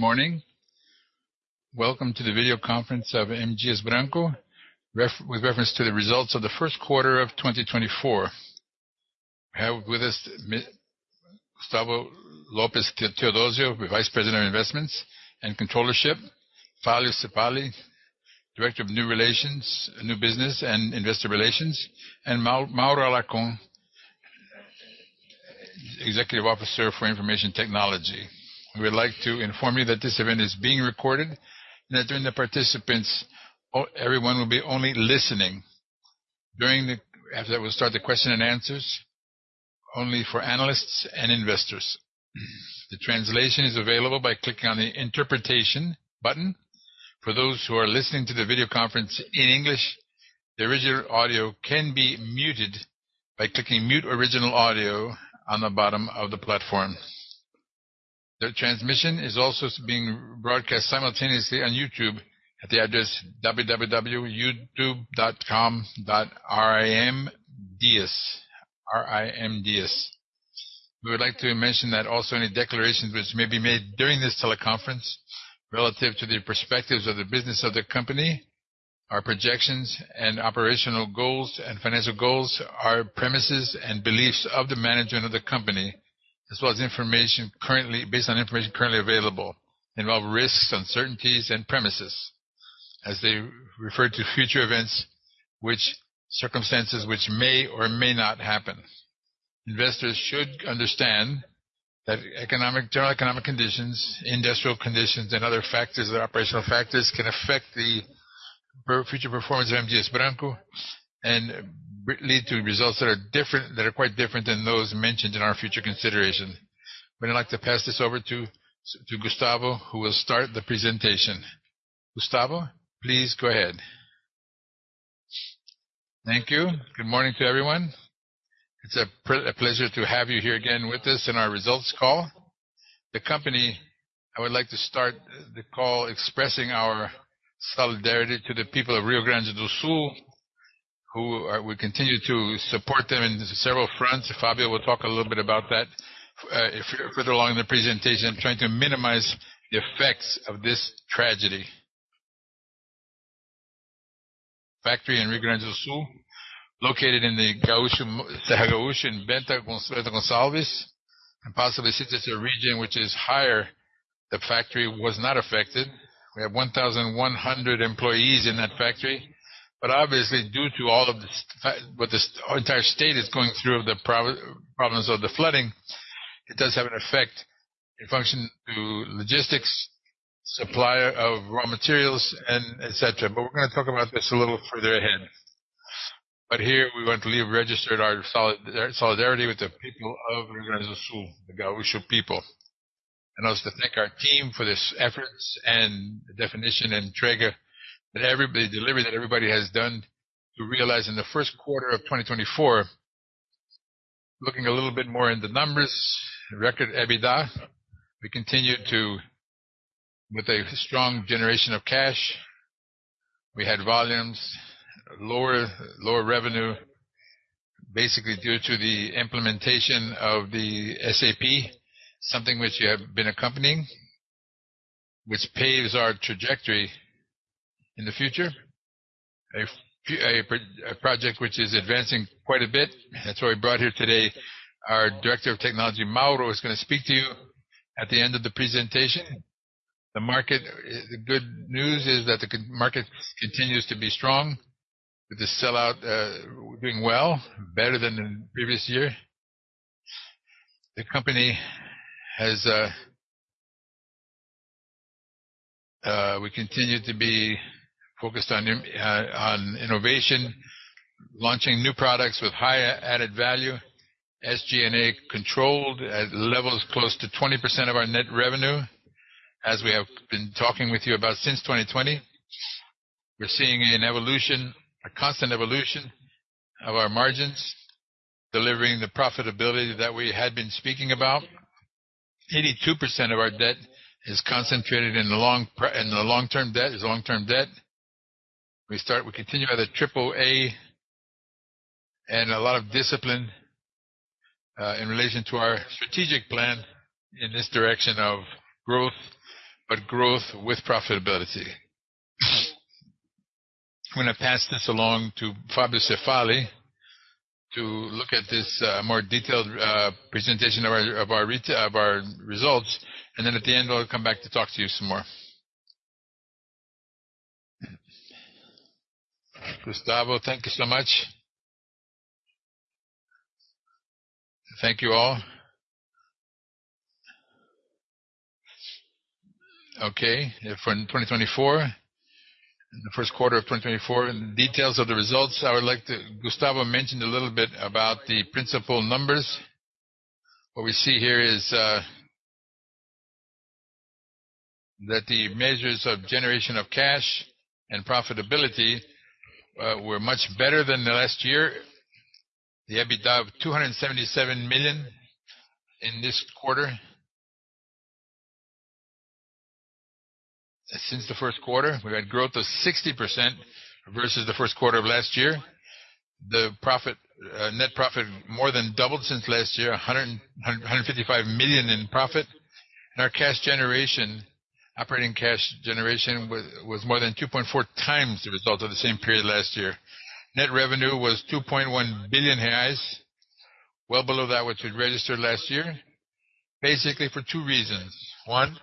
Good morning. Welcome to the video conference of M. Dias Branco with reference to the results of the first quarter of 2024. We have with us Gustavo Lopes Theodozio, Vice President of Investments and Controllership; Fábio Cefaly, Director of New Business and Investor Relations; and Mauro Alarcon, Executive Officer for Information Technology. We would like to inform you that this event is being recorded and that during the presentation everyone will be only listening, after that we'll start the question and answers, only for analysts and investors. The translation is available by clicking on the Interpretation button. For those who are listening to the video conference in English, the original audio can be muted by clicking Mute Original Audio on the bottom of the platform. The transmission is also being broadcast simultaneously on YouTube at the address www.youtube.com/rimdias. We would like to mention that also any declarations which may be made during this teleconference relative to the perspectives of the business of the company, our projections and operational goals and financial goals, our premises and beliefs of the management of the company, as well as information currently based on information available, involve risks, uncertainties, and premises, as they refer to future events which circumstances which may or may not happen. Investors should understand that general economic conditions, industrial conditions, and other factors that are operational factors can affect the future performance of M. Dias Branco and lead to results that are quite different than those mentioned in our future consideration. We'd like to pass this over to Gustavo who will start the presentation. Gustavo, please go ahead. Thank you. Good morning to everyone. It's a pleasure to have you here again with us in our results call. The company I would like to start the call expressing our solidarity to the people of Rio Grande do Sul who we continue to support them in several fronts. Fábio will talk a little bit about that further along in the presentation. I'm trying to minimize the effects of this tragedy. Factory in Rio Grande do Sul located in the Gaúcho in Bento Gonçalves, and possibly sits in a region which is higher. The factory was not affected. We have 1,100 employees in that factory. But obviously, due to all of this what this entire state is going through of the problems of the flooding, it does have an effect in function to logistics, supplier of raw materials, and etc. But we're going to talk about this a little further ahead. But here we want to leave registered our solidarity with the people of Rio Grande do Sul, the Gaúcho people. And also to thank our team for these efforts and dedication and trégua that everybody delivered that everybody has done to realize in the first quarter of 2024. Looking a little bit more in the numbers, record EBITDA, we continue to with a strong generation of cash. We had volumes, lower revenue, basically due to the implementation of the SAP, something which you have been accompanying, which paves our trajectory in the future. A project which is advancing quite a bit. That's why we brought here today our Director of Technology, Mauro, who is going to speak to you at the end of the presentation. The market, the good news is that the market continues to be strong with the sellout doing well, better than the previous year. The company has. We continue to be focused on innovation, launching new products with high added value, SG&A controlled at levels close to 20% of our net revenue as we have been talking with you about since 2020. We're seeing an evolution, a constant evolution of our margins, delivering the profitability that we had been speaking about. 82% of our debt is concentrated in the long-term debt, is long-term debt. We start. We continue with a triple A and a lot of discipline in relation to our strategic plan in this direction of growth, but growth with profitability. I'm going to pass this along to Fábio Cefaly to look at this more detailed presentation of our results. And then at the end, I'll come back to talk to you some more. Gustavo, thank you so much. Thank you all. Okay. For 2024, the first quarter of 2024, the details of the results, I would like to Gustavo mentioned a little bit about the principal numbers. What we see here is that the measures of generation of cash and profitability were much better than the last year. The EBITDA of 277 million in this quarter since the first quarter, we had growth of 60% versus the first quarter of last year. The profit net profit more than doubled since last year, 155 million in profit. And our cash generation, operating cash generation was more than 2.4 times the result of the same period last year. Net revenue was 2.1 billion reais, well below that which we registered last year, basically for two reasons. One,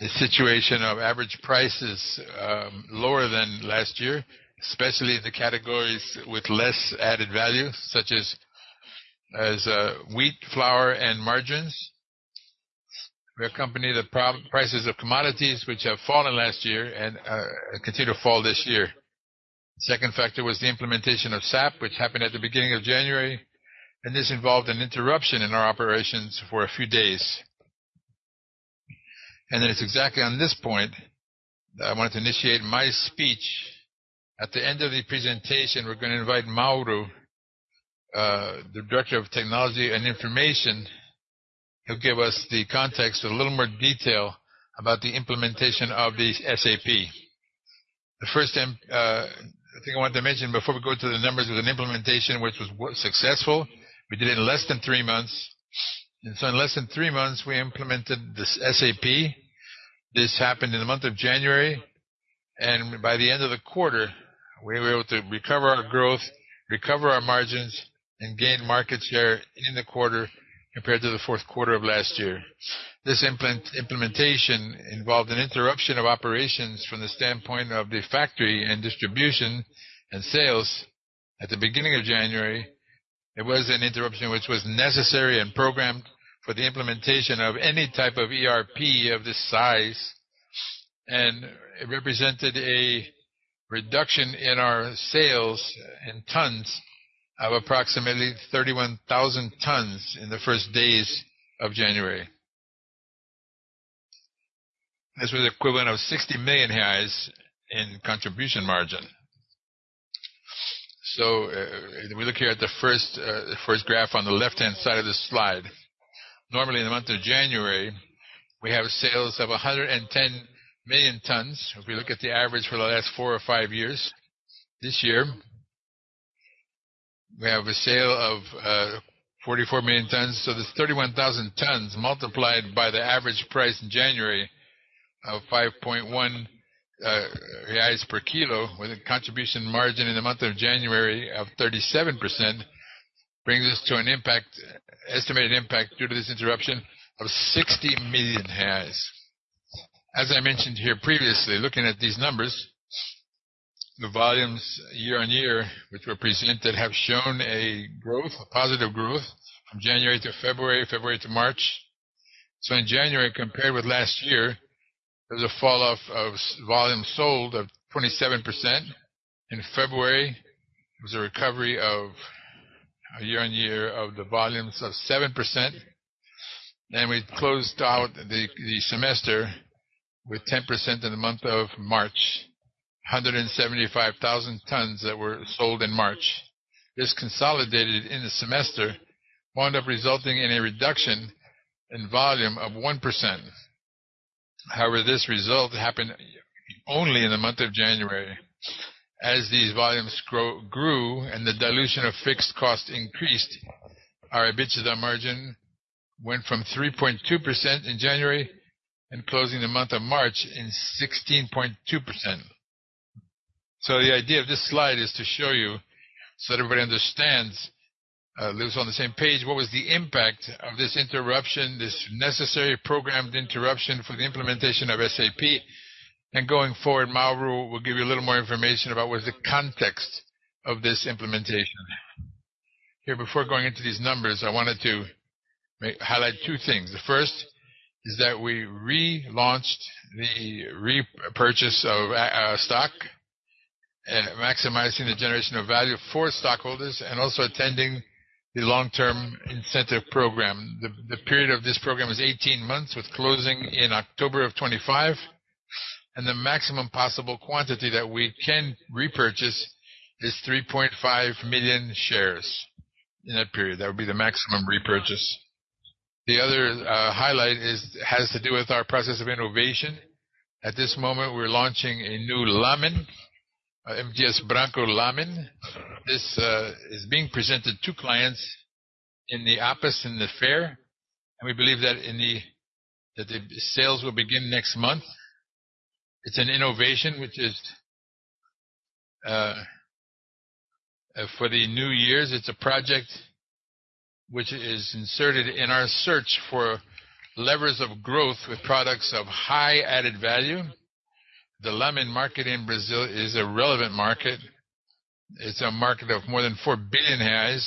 the situation of average prices lower than last year, especially in the categories with less added value such as wheat flour and margarine. We're a company that prices of commodities which have fallen last year and continue to fall this year. The second factor was the implementation of SAP, which happened at the beginning of January. This involved an interruption in our operations for a few days. And then it's exactly on this point that I wanted to initiate my speech. At the end of the presentation, we're going to invite Mauro, the Director of Technology and Information, who'll give us the context with a little more detail about the implementation of the SAP. The first thing I wanted to mention before we go to the numbers was an implementation which was successful. We did it in less than three months. And so in less than three months, we implemented this SAP. This happened in the month of January. By the end of the quarter, we were able to recover our growth, recover our margins, and gain market share in the quarter compared to the fourth quarter of last year. This implementation involved an interruption of operations from the standpoint of the factory and distribution and sales at the beginning of January. It was an interruption which was necessary and programmed for the implementation of any type of ERP of this size. And it represented a reduction in our sales in tons of approximately 31,000 tons in the first days of January. This was equivalent of 60 million reais in contribution margin. So we look here at the first graph on the left-hand side of the slide. Normally, in the month of January, we have sales of 110 million tons. If we look at the average for the last 4 or 5 years, this year, we have a sale of 44 million tons. So the 31,000 tons multiplied by the average price in January of 5.1 reais per kilo with a contribution margin in the month of January of 37% brings us to an impact, estimated impact due to this interruption of 60 million reais. As I mentioned here previously, looking at these numbers, the volumes year-on-year which were presented have shown a growth, a positive growth from January to February, February to March. So in January, compared with last year, there was a falloff of volume sold of 27%. In February, there was a recovery of year-on-year of the volumes of 7%. And we closed out the semester with 10% in the month of March, 175,000 tons that were sold in March. This consolidated in the semester wound up resulting in a reduction in volume of 1%. However, this result happened only in the month of January. As these volumes grew and the dilution of fixed costs increased, our EBITDA margin went from 3.2% in January and closing the month of March in 16.2%. So the idea of this slide is to show you so that everybody understands, is on the same page, what was the impact of this interruption, this necessary programmed interruption for the implementation of SAP. Going forward, Mauro will give you a little more information about what's the context of this implementation. Here, before going into these numbers, I wanted to highlight two things. The first is that we relaunched the repurchase of stock, maximizing the generation of value for stockholders and also attending the long-term incentive program. The period of this program is 18 months with closing in October of 2025. The maximum possible quantity that we can repurchase is 3.5 million shares in that period. That would be the maximum repurchase. The other highlight has to do with our process of innovation. At this moment, we're launching a new Lámen, M. Dias Branco Lámen. This is being presented to clients in the office in the fair. We believe that the sales will begin next month. It's an innovation which is for the new years. It's a project which is inserted in our search for levers of growth with products of high added value. The Lámen market in Brazil is a relevant market. It's a market of more than 4 billion.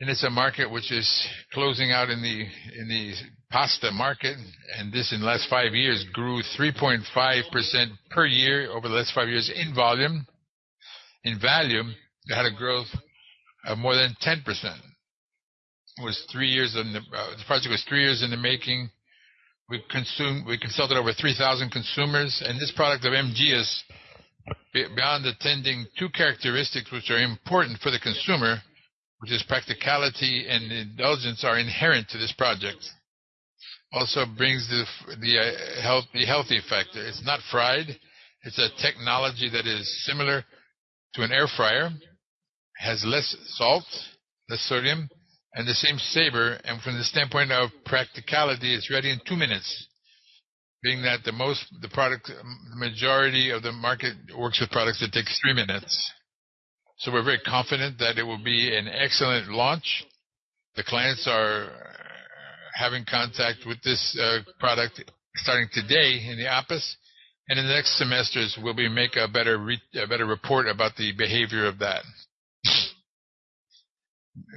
It's a market which is closing out in the pasta market. And this in the last five years grew 3.5% per year over the last five years in volume. In value, it had a growth of more than 10%. It was three years in the project was three years in the making. We consulted over 3,000 consumers. And this product of M. Dias, beyond attending two characteristics which are important for the consumer, which is practicality and indulgence, are inherent to this project, also brings the healthy factor. It's not fried. It's a technology that is similar to an air fryer. It has less salt, less sodium, and the same sabor. And from the standpoint of practicality, it's ready in two minutes, being that the majority of the market works with products that take three minutes. So we're very confident that it will be an excellent launch. The clients are having contact with this product starting today in the office. In the next semesters, we'll be make a better report about the behavior of that.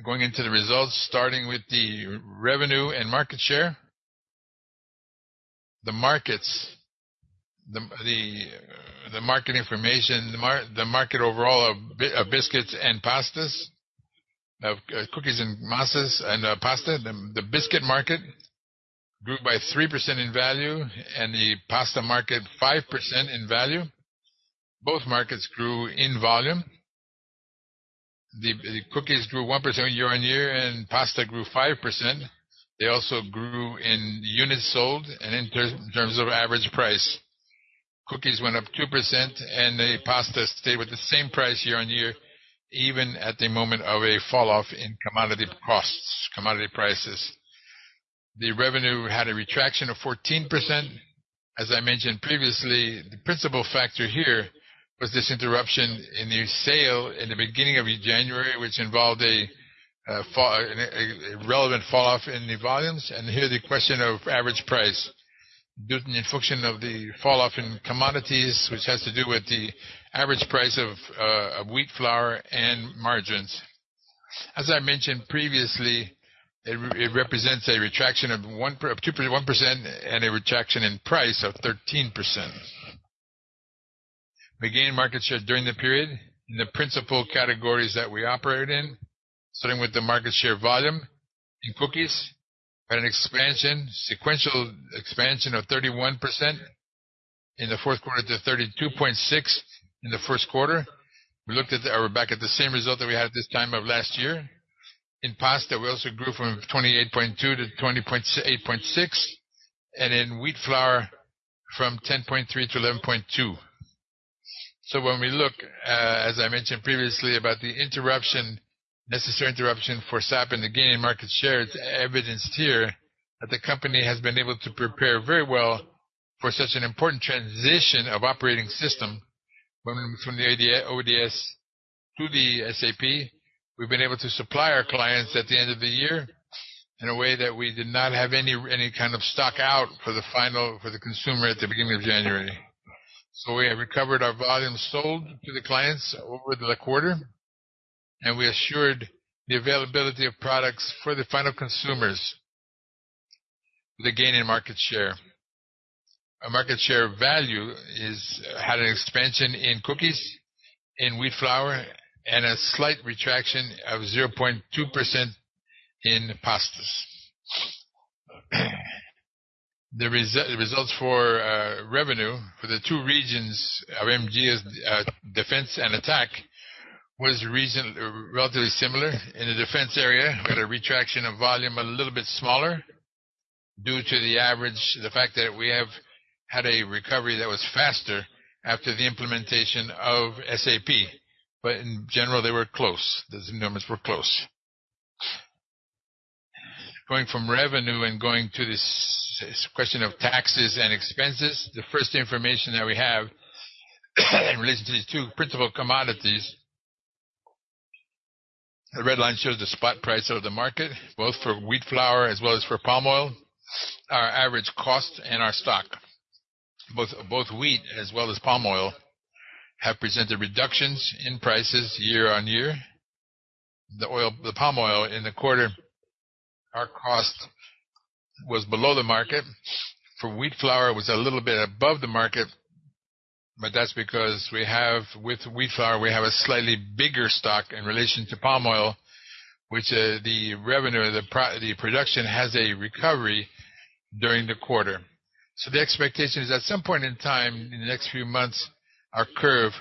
Going into the results, starting with the revenue and market share, the markets, the market information, the market overall of biscuits and pastas, of cookies and masses and pasta, the biscuit market grew by 3% in value and the pasta market 5% in value. Both markets grew in volume. The cookies grew 1% year-on-year and pasta grew 5%. They also grew in units sold and in terms of average price. Cookies went up 2% and the pasta stayed with the same price year-on-year, even at the moment of a falloff in commodity costs, commodity prices. The revenue had a retraction of 14%. As I mentioned previously, the principal factor here was this interruption in the sale in the beginning of January, which involved a relevant falloff in the volumes. And here the question of average price due to the inflection of the falloff in commodities, which has to do with the average price of wheat, flour, and margins. As I mentioned previously, it represents a retraction of 1% and a retraction in price of 13%. We gained market share during the period in the principal categories that we operated in, starting with the market share volume in cookies. We had an expansion, sequential expansion of 31%-32.6% in the fourth quarter to the first quarter. We looked at we're back at the same result that we had at this time of last year. In pasta, we also grew from 28.2%-28.6%. And in wheat, flour, from 10.3%-11.2%. So when we look, as I mentioned previously, about the interruption, necessary interruption for SAP and the gain in market share, it's evidenced here that the company has been able to prepare very well for such an important transition of operating system. When from the ODS to the SAP, we've been able to supply our clients at the end of the year in a way that we did not have any kind of stock out for the final consumer at the beginning of January. So we have recovered our volume sold to the clients over the quarter. And we assured the availability of products for the final consumers with a gain in market share. Our market share value had an expansion in cookies, in wheat flour, and a slight retraction of 0.2% in pastas. The results for revenue for the two regions of M. Dias, defense and attack, was relatively similar in the defense area. We had a retraction of volume a little bit smaller due to the average, the fact that we have had a recovery that was faster after the implementation of SAP. But in general, they were close. Those numbers were close. Going from revenue and going to this question of taxes and expenses, the first information that we have in relation to these two principal commodities, the red line shows the spot price of the market, both for wheat flour, as well as for palm oil, our average cost and our stock. Both wheat as well as palm oil have presented reductions in prices year-over-year. The palm oil in the quarter, our cost was below the market. For wheat flour, it was a little bit above the market. But that's because we have with wheat, flour, we have a slightly bigger stock in relation to palm oil, which the revenue, the production has a recovery during the quarter. So the expectation is at some point in time, in the next few months, our curve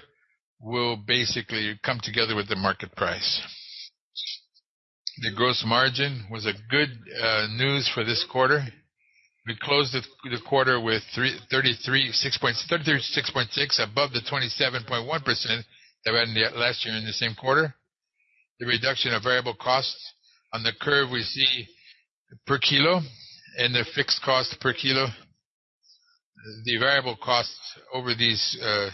will basically come together with the market price. The gross margin was good news for this quarter. We closed the quarter with 33.6% above the 27.1% that we had last year in the same quarter. The reduction of variable costs on the curve we see per kilo and the fixed cost per kilo. The variable costs over these in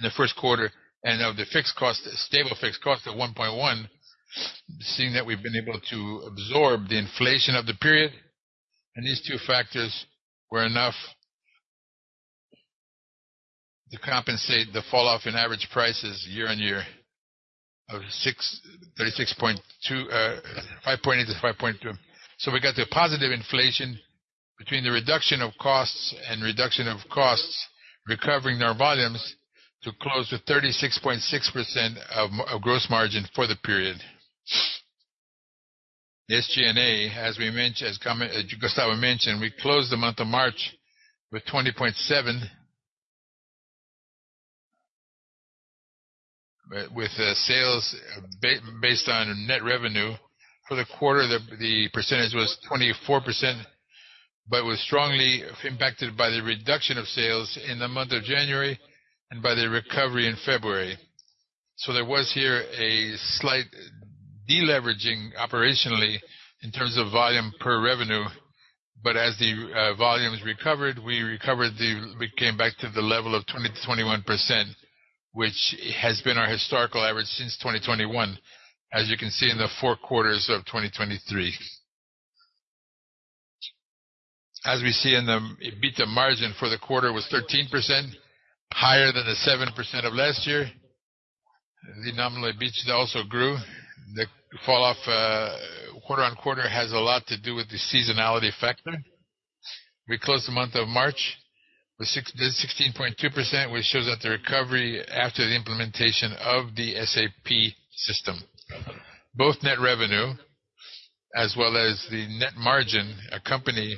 the first quarter and of the fixed cost, stable fixed cost of 1.1%, seeing that we've been able to absorb the inflation of the period. And these two factors were enough to compensate the falloff in average prices year-on-year of 5.8%-5.2%. So we got to a positive inflation between the reduction of costs and reduction of costs recovering our volumes to close with 36.6% of gross margin for the period. The SG&A, as we mentioned, as Gustavo mentioned, we closed the month of March with 20.7% with sales based on net revenue. For the quarter, the percentage was 24% but was strongly impacted by the reduction of sales in the month of January and by the recovery in February. So there was here a slight deleveraging operationally in terms of volume per revenue. But as the volumes recovered, we recovered, we came back to the level of 20%-21%, which has been our historical average since 2021, as you can see in the four quarters of 2023. As we see in the EBITDA margin for the quarter was 13%, higher than the 7% of last year. The nominal EBITDA also grew. The fall-off quarter-on-quarter has a lot to do with the seasonality factor. We closed the month of March with 16.2%, which shows that the recovery after the implementation of the SAP system, both net revenue as well as the net margin accompany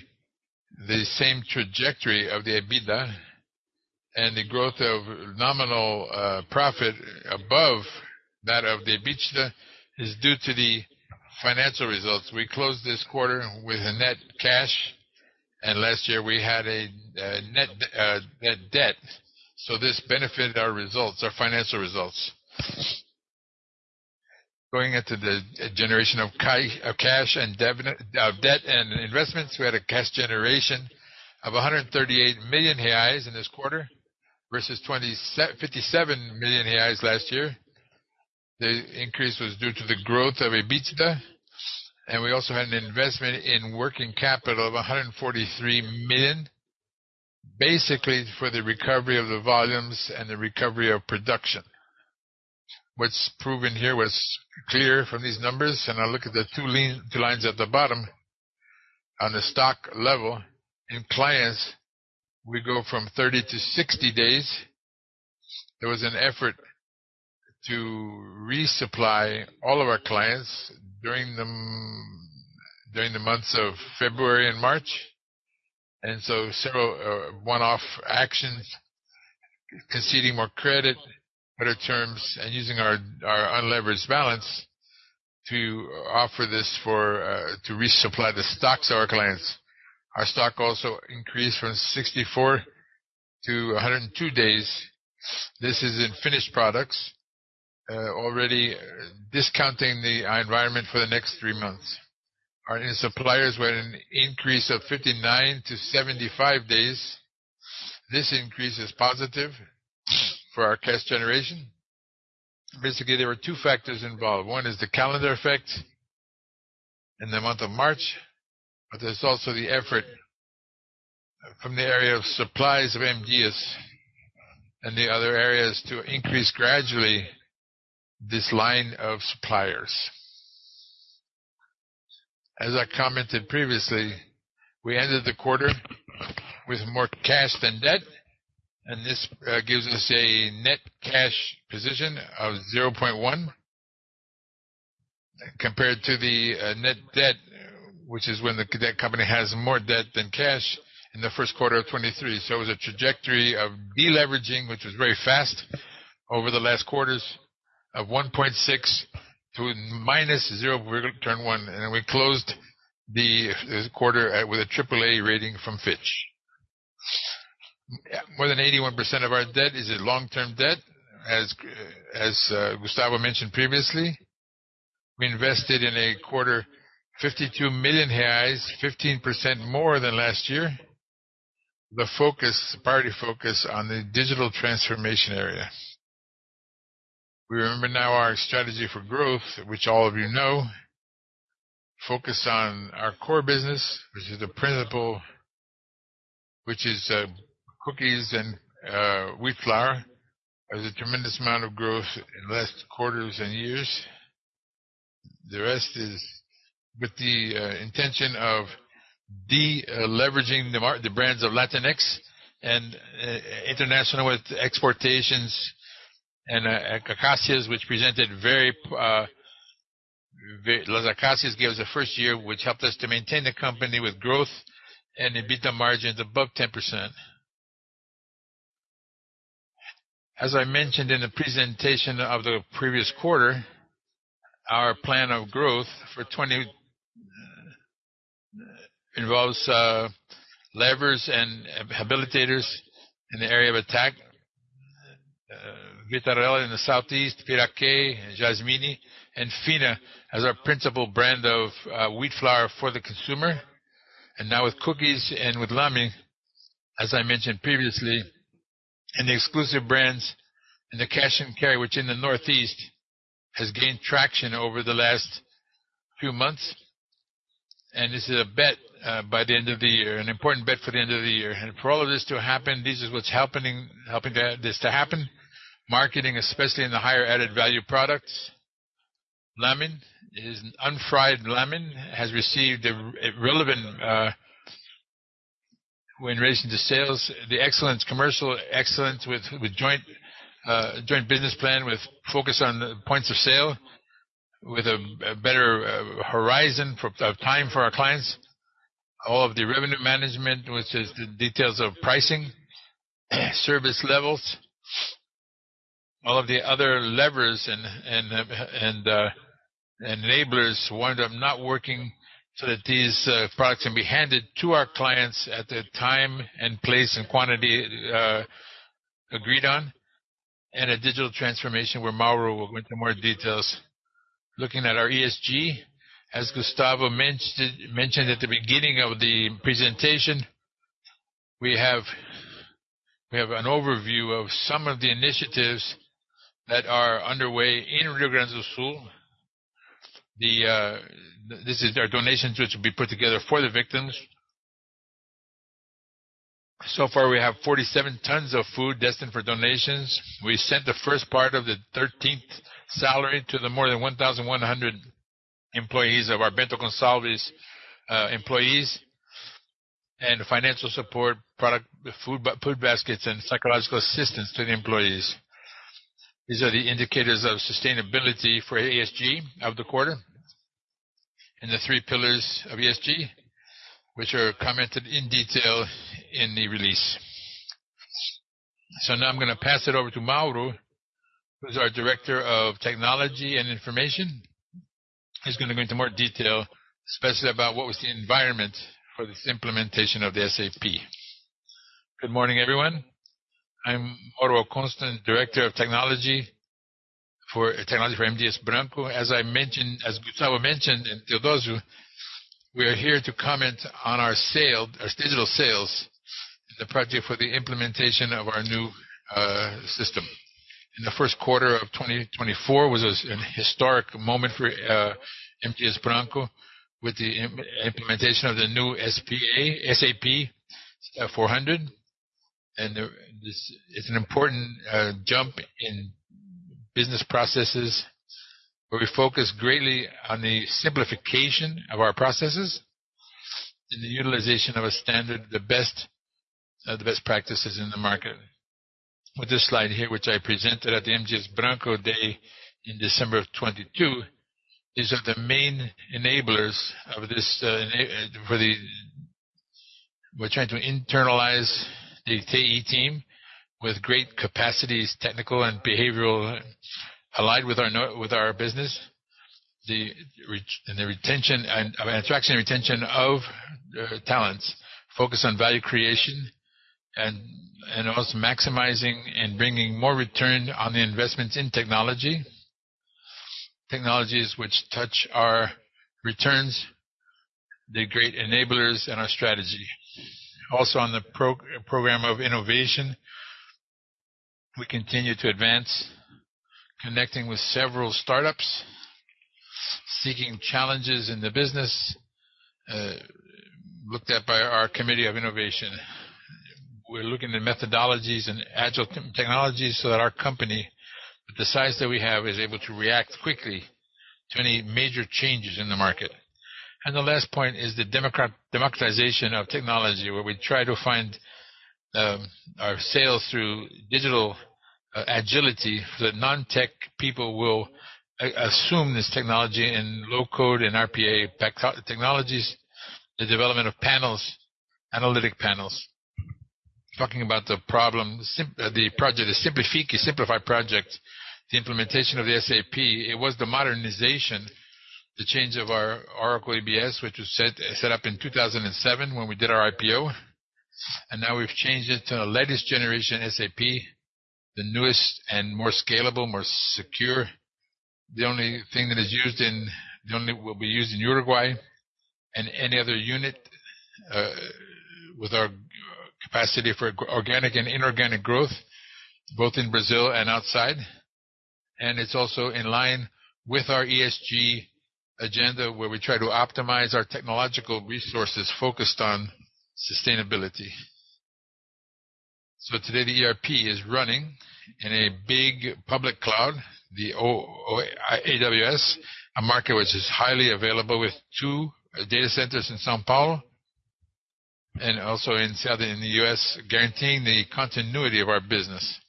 the same trajectory of the EBITDA. The growth of nominal profit above that of the EBITDA is due to the financial results. We closed this quarter with a net cash. Last year, we had a net debt. This benefited our results, our financial results. Going into the generation of cash and debt and investments, we had a cash generation of 138 million reais in this quarter versus 57 million reais last year. The increase was due to the growth of EBITDA. We also had an investment in working capital of 143 million, basically for the recovery of the volumes and the recovery of production, what's proven here, what's clear from these numbers. I'll look at the two lines at the bottom on the stock level. In clients, we go from 30-60 days. There was an effort to resupply all of our clients during the months of February and March. So several one-off actions, conceding more credit, better terms, and using our unleveraged balance to offer this for to resupply the stocks of our clients. Our stock also increased from 64-102 days. This is in finished products, already discounting the environment for the next three months. Our suppliers were in an increase of 59-75 days. This increase is positive for our cash generation. Basically, there were two factors involved. One is the calendar effect in the month of March. But there's also the effort from the area of supplies of M. Dias and the other areas to increase gradually this line of suppliers. As I commented previously, we ended the quarter with more cash than debt. And this gives us a net cash position of 0.1% compared to the net debt, which is when that company has more debt than cash in the first quarter of 2023. So it was a trajectory of deleveraging, which was very fast over the last quarters, of 1.6% to minus 0. We turned one. And we closed the quarter with a AAA rating from Fitch. More than 81% of our debt is long-term debt, as Gustavo mentioned previously. We invested in a quarter 52 million reais, 15% more than last year, the focus, priority focus on the digital transformation area. We remember now our strategy for growth, which all of you know, focused on our core business, which is the principal, which is cookies and wheat flour. There's a tremendous amount of growth in the last quarters and years. The rest is with the intention of deleveraging the brands of Latinex and international with exportations and Acacias, which presented very Las Acacias gave us a first year, which helped us to maintain the company with growth and EBITDA margins above 10%. As I mentioned in the presentation of the previous quarter, our plan of growth for 2020 involves levers and habilitators in the area of attack, Vitarella in the southeast, Piraqué, Jasmine, and Finna as our principal brand of wheat flour for the consumer. And now with cookies and with Lámen, as I mentioned previously, and the exclusive brands and the cash and carry, which in the Northeast has gained traction over the last few months. And this is a bet by the end of the year, an important bet for the end of the year. And for all of this to happen, this is what's helping this to happen, marketing, especially in the higher added value products. Lámen, unfried Lámen, has received a relevant in relation to sales, the excellence, commercial excellence with Joint Business Plan with focus on the points of sale with a better horizon of time for our clients, all of the revenue management, which is the details of pricing, service levels, all of the other levers and enablers wind up not working so that these products can be handed to our clients at the time and place and quantity agreed on, and a digital transformation where Mauro, we'll go into more details. Looking at our ESG, as Gustavo mentioned at the beginning of the presentation, we have an overview of some of the initiatives that are underway in Rio Grande do Sul. This is our donations, which will be put together for the victims. So far, we have 47 tons of food destined for donations. We sent the first part of the 13th salary to the more than 1,100 employees of our Bento Gonçalves employees and financial support, food baskets, and psychological assistance to the employees. These are the indicators of sustainability for ESG of the quarter and the three pillars of ESG, which are commented in detail in the release. So now I'm going to pass it over to Mauro, who's our director of technology and information. He's going to go into more detail, especially about what was the environment for this implementation of the SAP. Good morning, everyone. I'm Mauro Alarcon, director of technology for M. Dias Branco. As I mentioned, as Gustavo mentioned, and Theodozio, we are here to comment on our digital sales in the project for the implementation of our new system. In the first quarter of 2024 was a historic moment for M. Dias Branco with the implementation of the new SAP S/4HANA. And it's an important jump in business processes where we focus greatly on the simplification of our processes and the utilization of a standard, the best practices in the market. With this slide here, which I presented at the M. Dias Branco Day in December of 2022, these are the main enablers for the. We're trying to internalize the TE team with great capacities, technical and behavioral, aligned with our business and the retention of attraction and retention of talents, focus on value creation, and also maximizing and bringing more return on the investments in technologies, which touch our returns, the great enablers, and our strategy. Also on the program of innovation, we continue to advance, connecting with several startups, seeking challenges in the business looked at by our committee of innovation. We're looking at methodologies and agile technologies so that our company, with the size that we have, is able to react quickly to any major changes in the market. The last point is the democratization of technology where we try to find our sales through digital agility so that non-tech people will assume this technology in low-code and RPA technologies, the development of analytic panels. Talking about the problem, the project is Simplifique, a simplified project. The implementation of the SAP, it was the modernization, the change of our Oracle EBS, which was set up in 2007 when we did our IPO. Now we've changed it to the latest generation SAP, the newest and more scalable, more secure. The only thing that is used. It will be used in Uruguay and any other unit with our capacity for organic and inorganic growth, both in Brazil and outside. And it's also in line with our ESG agenda where we try to optimize our technological resources focused on sustainability. So today, the ERP is running in a big public cloud, the AWS, a market which is highly available with two data centers in São Paulo and also in the U.S., guaranteeing the continuity of our business.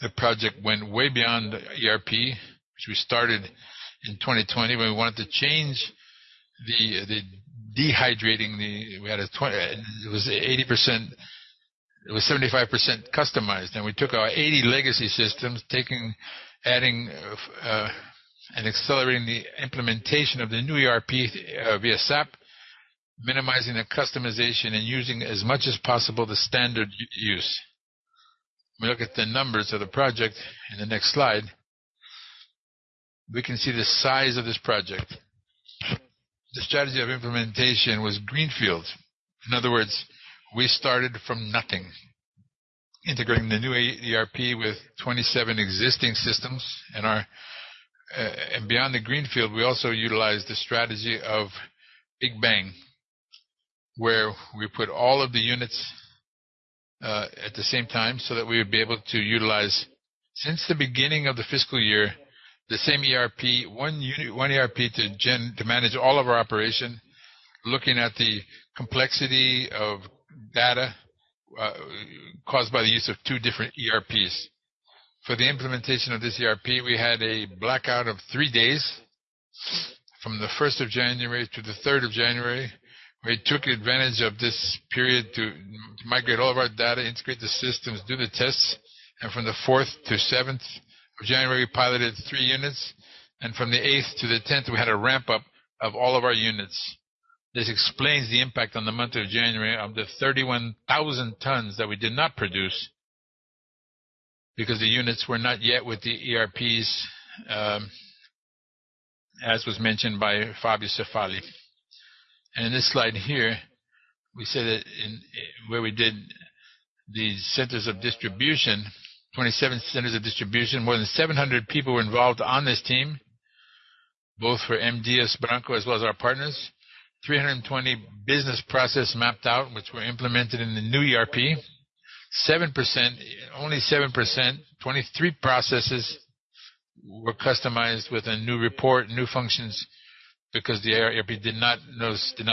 The project went way beyond ERP, which we started in 2020 when we wanted to change the ERP that we had. It was 80%. It was 75% customized. And we took our 80 legacy systems, adding and accelerating the implementation of the new ERP via SAP, minimizing the customization and using as much as possible the standard use. When we look at the numbers of the project in the next slide, we can see the size of this project. The strategy of implementation was greenfield. In other words, we started from nothing, integrating the new ERP with 27 existing systems. And beyond the greenfield, we also utilized the strategy of Big Bang, where we put all of the units at the same time so that we would be able to utilize, since the beginning of the fiscal year, the same ERP, one ERP to manage all of our operation, looking at the complexity of data caused by the use of two different ERPs. For the implementation of this ERP, we had a blackout of three days from the 1st of January to the 3rd of January. We took advantage of this period to migrate all of our data, integrate the systems, do the tests. From the 4th to 7th of January, we piloted three units. From the 8th to the 10th, we had a ramp-up of all of our units. This explains the impact on the month of January of the 31,000 tons that we did not produce because the units were not yet with the ERPs, as was mentioned by Fábio Cefaly. In this slide here, we say that where we did the centers of distribution, 27 centers of distribution, more than 700 people were involved on this team, both for M. Dias Branco as well as our partners, 320 business processes mapped out, which were implemented in the new ERP, only 7%, 23 processes were customized with a new report, new functions because the ERP did not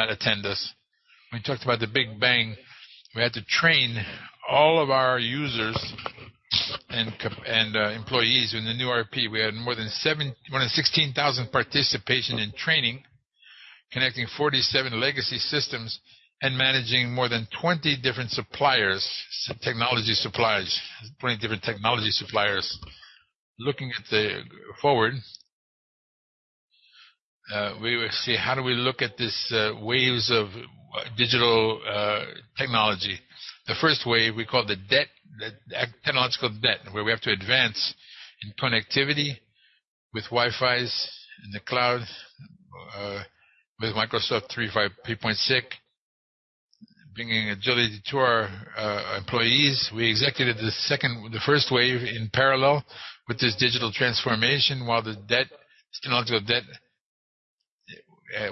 attend us. When we talked about the Big Bang, we had to train all of our users and employees in the new ERP. We had more than 16,000 participation in training, connecting 47 legacy systems and managing more than 20 different technology suppliers, 20 different technology suppliers. Looking forward, we would see, how do we look at these waves of digital technology? The first wave, we call the technological debt, where we have to advance in connectivity with Wi-Fi in the cloud with Microsoft 365, bringing agility to our employees. We executed the first wave in parallel with this digital transformation while the technological debt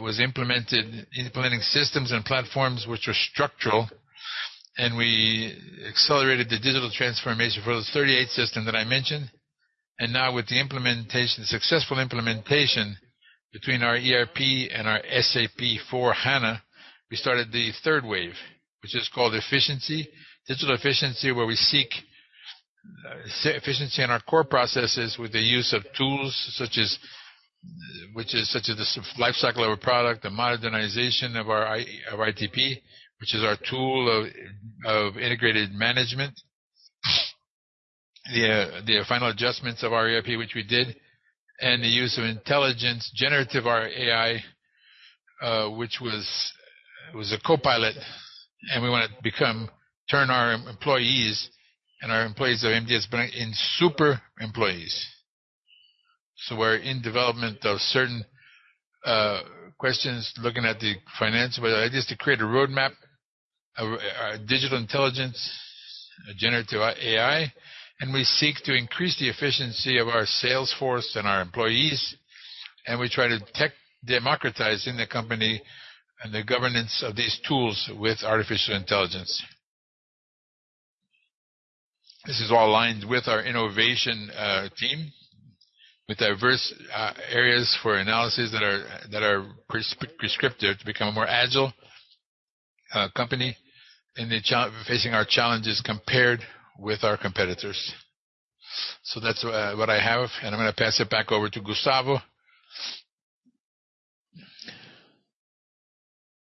was implemented, implementing systems and platforms which were structural. And we accelerated the digital transformation for those 38 systems that I mentioned. And now, with the successful implementation between our ERP and our SAP S/4HANA, we started the third wave, which is called efficiency, digital efficiency, where we seek efficiency in our core processes with the use of tools such as the lifecycle of a product, the modernization of our IBP, which is our tool of integrated management, the final adjustments of our ERP, which we did, and the use of intelligence, generative AI, which was a copilot. And we want to turn our employees and our employees of M. Dias Branco in super employees. So we're in development of certain questions, looking at the financial ideas to create a roadmap, a digital intelligence, a generative AI. And we seek to increase the efficiency of our salesforce and our employees. And we try to democratize in the company and the governance of these tools with artificial intelligence. This is all aligned with our innovation team, with diverse areas for analysis that are prescriptive to become a more agile company in facing our challenges compared with our competitors. So that's what I have. And I'm going to pass it back over to Gustavo.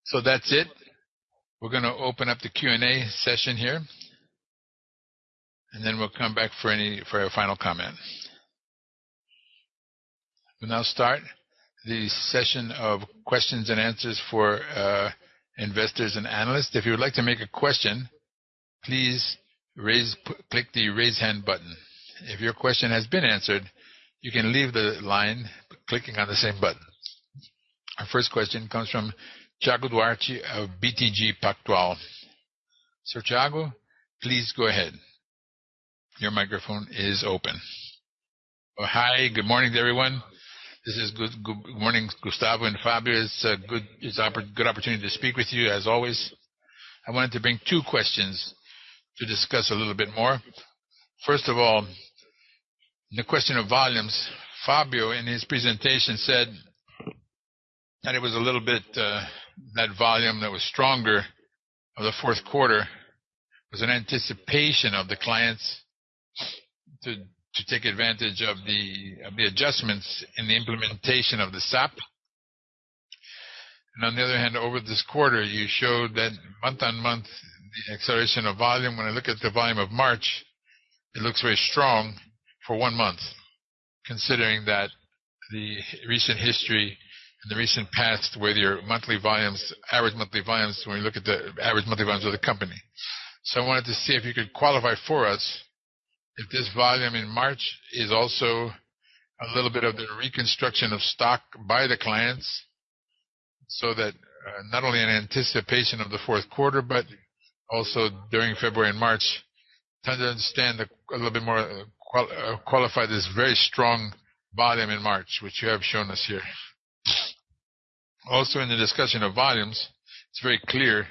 So that's it. We're going to open up the Q&A session here. And then we'll come back for a final comment. We'll now start the session of questions and answers for investors and analysts. If you would like to make a question, please click the raise hand button. If your question has been answered, you can leave the line clicking on the same button. Our first question comes from Thiago Duarte of BTG Pactual. Sir Thiago, please go ahead. Your microphone is open. Hi. Good morning, everyone. This is Thiago. Good morning, Gustavo and Fábio. It's a good opportunity to speak with you, as always. I wanted to bring two questions to discuss a little bit more. First of all, the question of volumes. Fábio, in his presentation, said that it was a little bit that volume that was stronger of the fourth quarter was an anticipation of the clients to take advantage of the adjustments in the implementation of the SAP. And on the other hand, over this quarter, you showed that month-on-month, the acceleration of volume, when I look at the volume of March, it looks very strong for one month, considering that the recent history and the recent past with your average monthly volumes when you look at the average monthly volumes of the company. I wanted to see if you could qualify for us if this volume in March is also a little bit of the reconstruction of stock by the clients so that not only an anticipation of the fourth quarter, but also during February and March, tend to understand a little bit more qualify this very strong volume in March, which you have shown us here? Also, in the discussion of volumes, it's very clear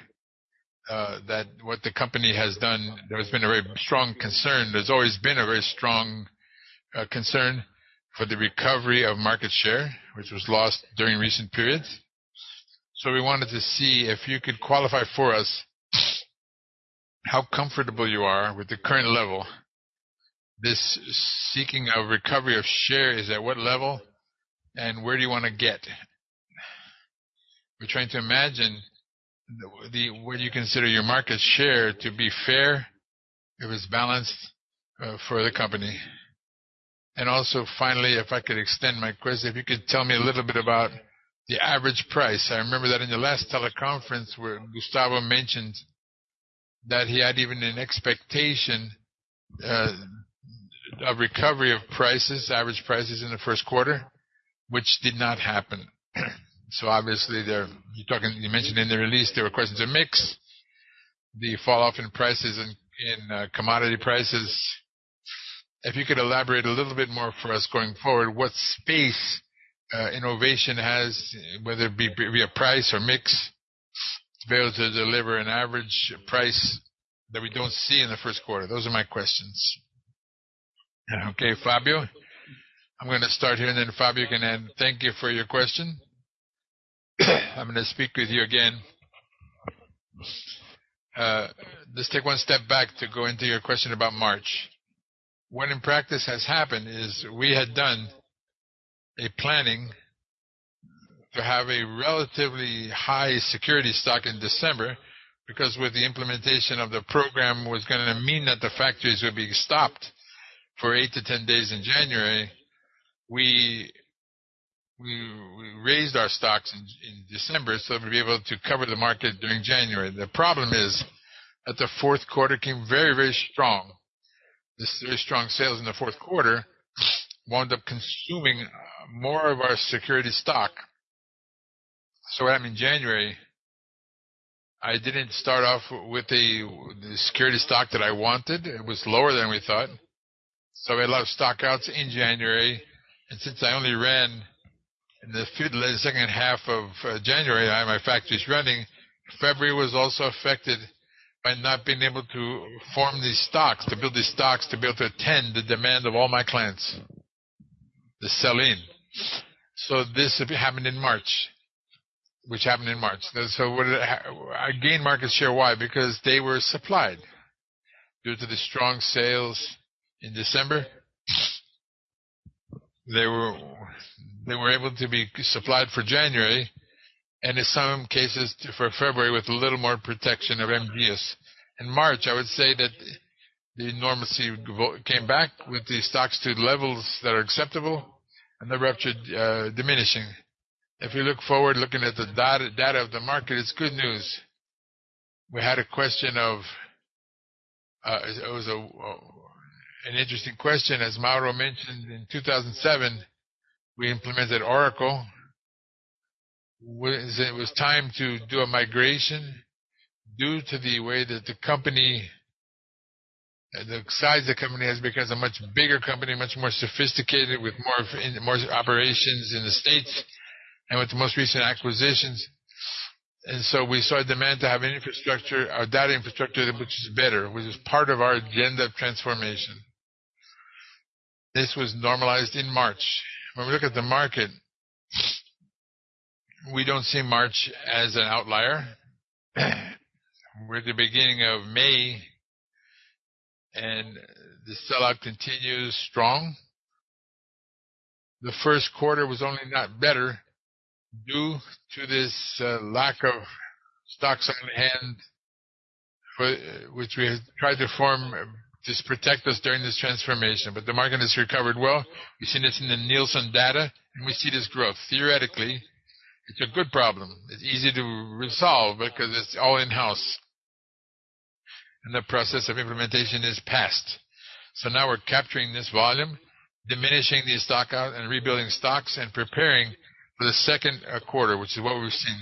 that what the company has done, there has been a very strong concern. There's always been a very strong concern for the recovery of market share, which was lost during recent periods. We wanted to see if you could qualify for us how comfortable you are with the current level. This seeking of recovery of share is at what level, and where do you want to get? We're trying to imagine what you consider your market share to be fair if it's balanced for the company. And also, finally, if I could extend my question, if you could tell me a little bit about the average price. I remember that in your last teleconference, Gustavo mentioned that he had even an expectation of recovery of average prices in the first quarter, which did not happen. So obviously, you mentioned in the release, there were questions of mix, the falloff in prices and commodity prices. If you could elaborate a little bit more for us going forward, what space innovation has, whether it be via price or mix, failed to deliver an average price that we don't see in the first quarter? Those are my questions. Okay, Fábio. I'm going to start here, and then Fábio, you can add. Thank you for your question. I'm going to speak with you again. Let's take one step back to go into your question about March. What in practice has happened is we had done a planning to have a relatively high security stock in December because with the implementation of the program was going to mean that the factories would be stopped for 8-10 days in January. We raised our stocks in December so that we'd be able to cover the market during January. The problem is that the fourth quarter came very, very strong. This very strong sales in the fourth quarter wound up consuming more of our security stock. So what happened in January, I didn't start off with the security stock that I wanted. It was lower than we thought. So we had a lot of stockouts in January. Since I only ran in the second half of January, I had my factories running. February was also affected by not being able to form these stocks, to build these stocks, to be able to attend the demand of all my clients, the sell-in. So this happened in March, which happened in March. So I gained market share. Why? Because they were supplied due to the strong sales in December. They were able to be supplied for January and, in some cases, for February with a little more protection of M. Dias. In March, I would say that the normalcy came back with the stocks to levels that are acceptable and the rupture diminishing. If we look forward, looking at the data of the market, it's good news. We had a question of it was an interesting question. As Mauro mentioned, in 2007, we implemented Oracle. It was time to do a migration due to the way that the size of the company has become a much bigger company, much more sophisticated, with more operations in the States and with the most recent acquisitions. So we saw a demand to have data infrastructure, which is better, which is part of our agenda of transformation. This was normalized in March. When we look at the market, we don't see March as an outlier. We're at the beginning of May, and the sellout continues strong. The first quarter was only not better due to this lack of stocks on hand, which we tried to protect us during this transformation. The market has recovered well. We've seen this in the Nielsen data, and we see this growth. Theoretically, it's a good problem. It's easy to resolve because it's all in-house, and the process of implementation is past. So now we're capturing this volume, diminishing the stockout, and rebuilding stocks and preparing for the second quarter, which is what we've seen.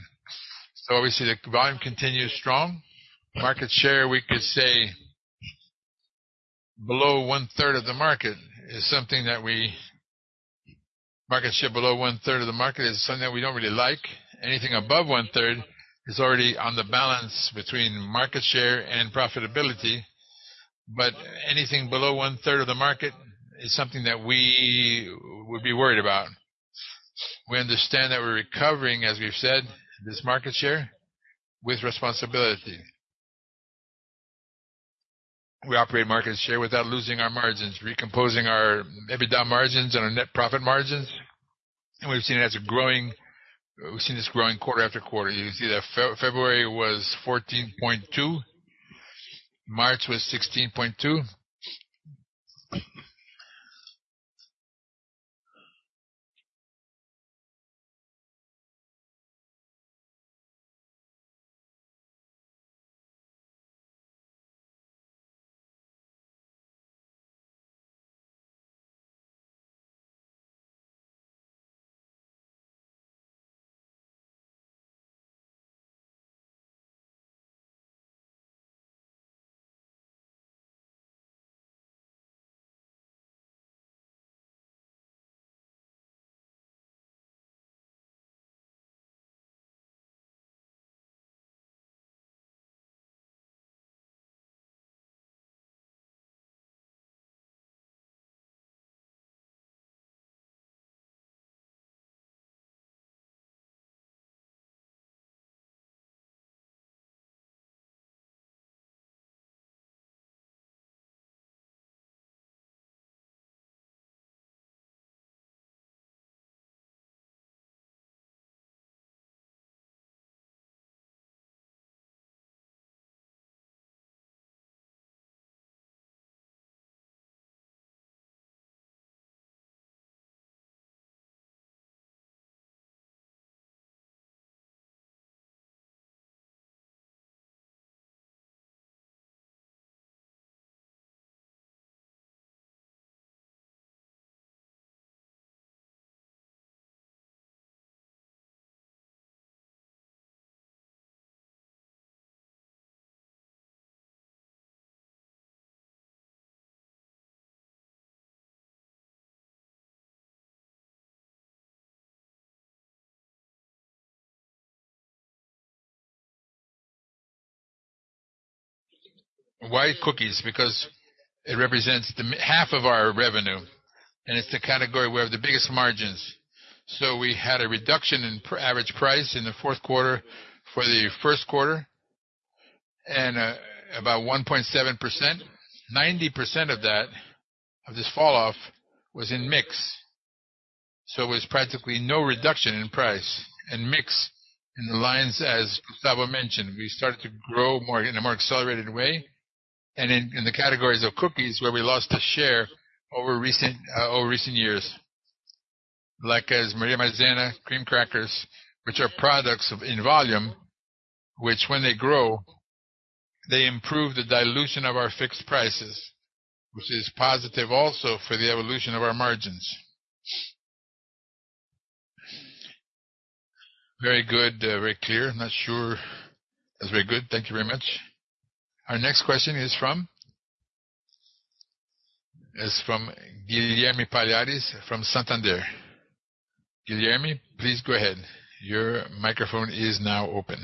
So obviously, the volume continues strong. Market share, we could say, below one-third of the market is something that we don't really like. Anything above one-third is already on the balance between market share and profitability. But anything below one-third of the market is something that we would be worried about. We understand that we're recovering, as we've said, this market share with responsibility. We operate market share without losing our margins, recomposing our EBITDA margins and our net profit margins. And we've seen this growing quarter after quarter. You can see that February was 14.2, March was 16.2. White cookies because it represents half of our revenue, and it's the category we have the biggest margins. So we had a reduction in average price in the fourth quarter for the first quarter and about 1.7%. 90% of this falloff was in mix. So it was practically no reduction in price and mix in the lines, as Gustavo mentioned. We started to grow in a more accelerated way and in the categories of cookies where we lost a share over recent years, like Maria, Maizena, cream crackers, which are products in volume, which when they grow, they improve the dilution of our fixed prices, which is positive also for the evolution of our margins. Very good, very clear. Not sure that's very good. Thank you very much. Our next question is from Guilherme Palhares from Santander. Guilherme, please go ahead. Your microphone is now open.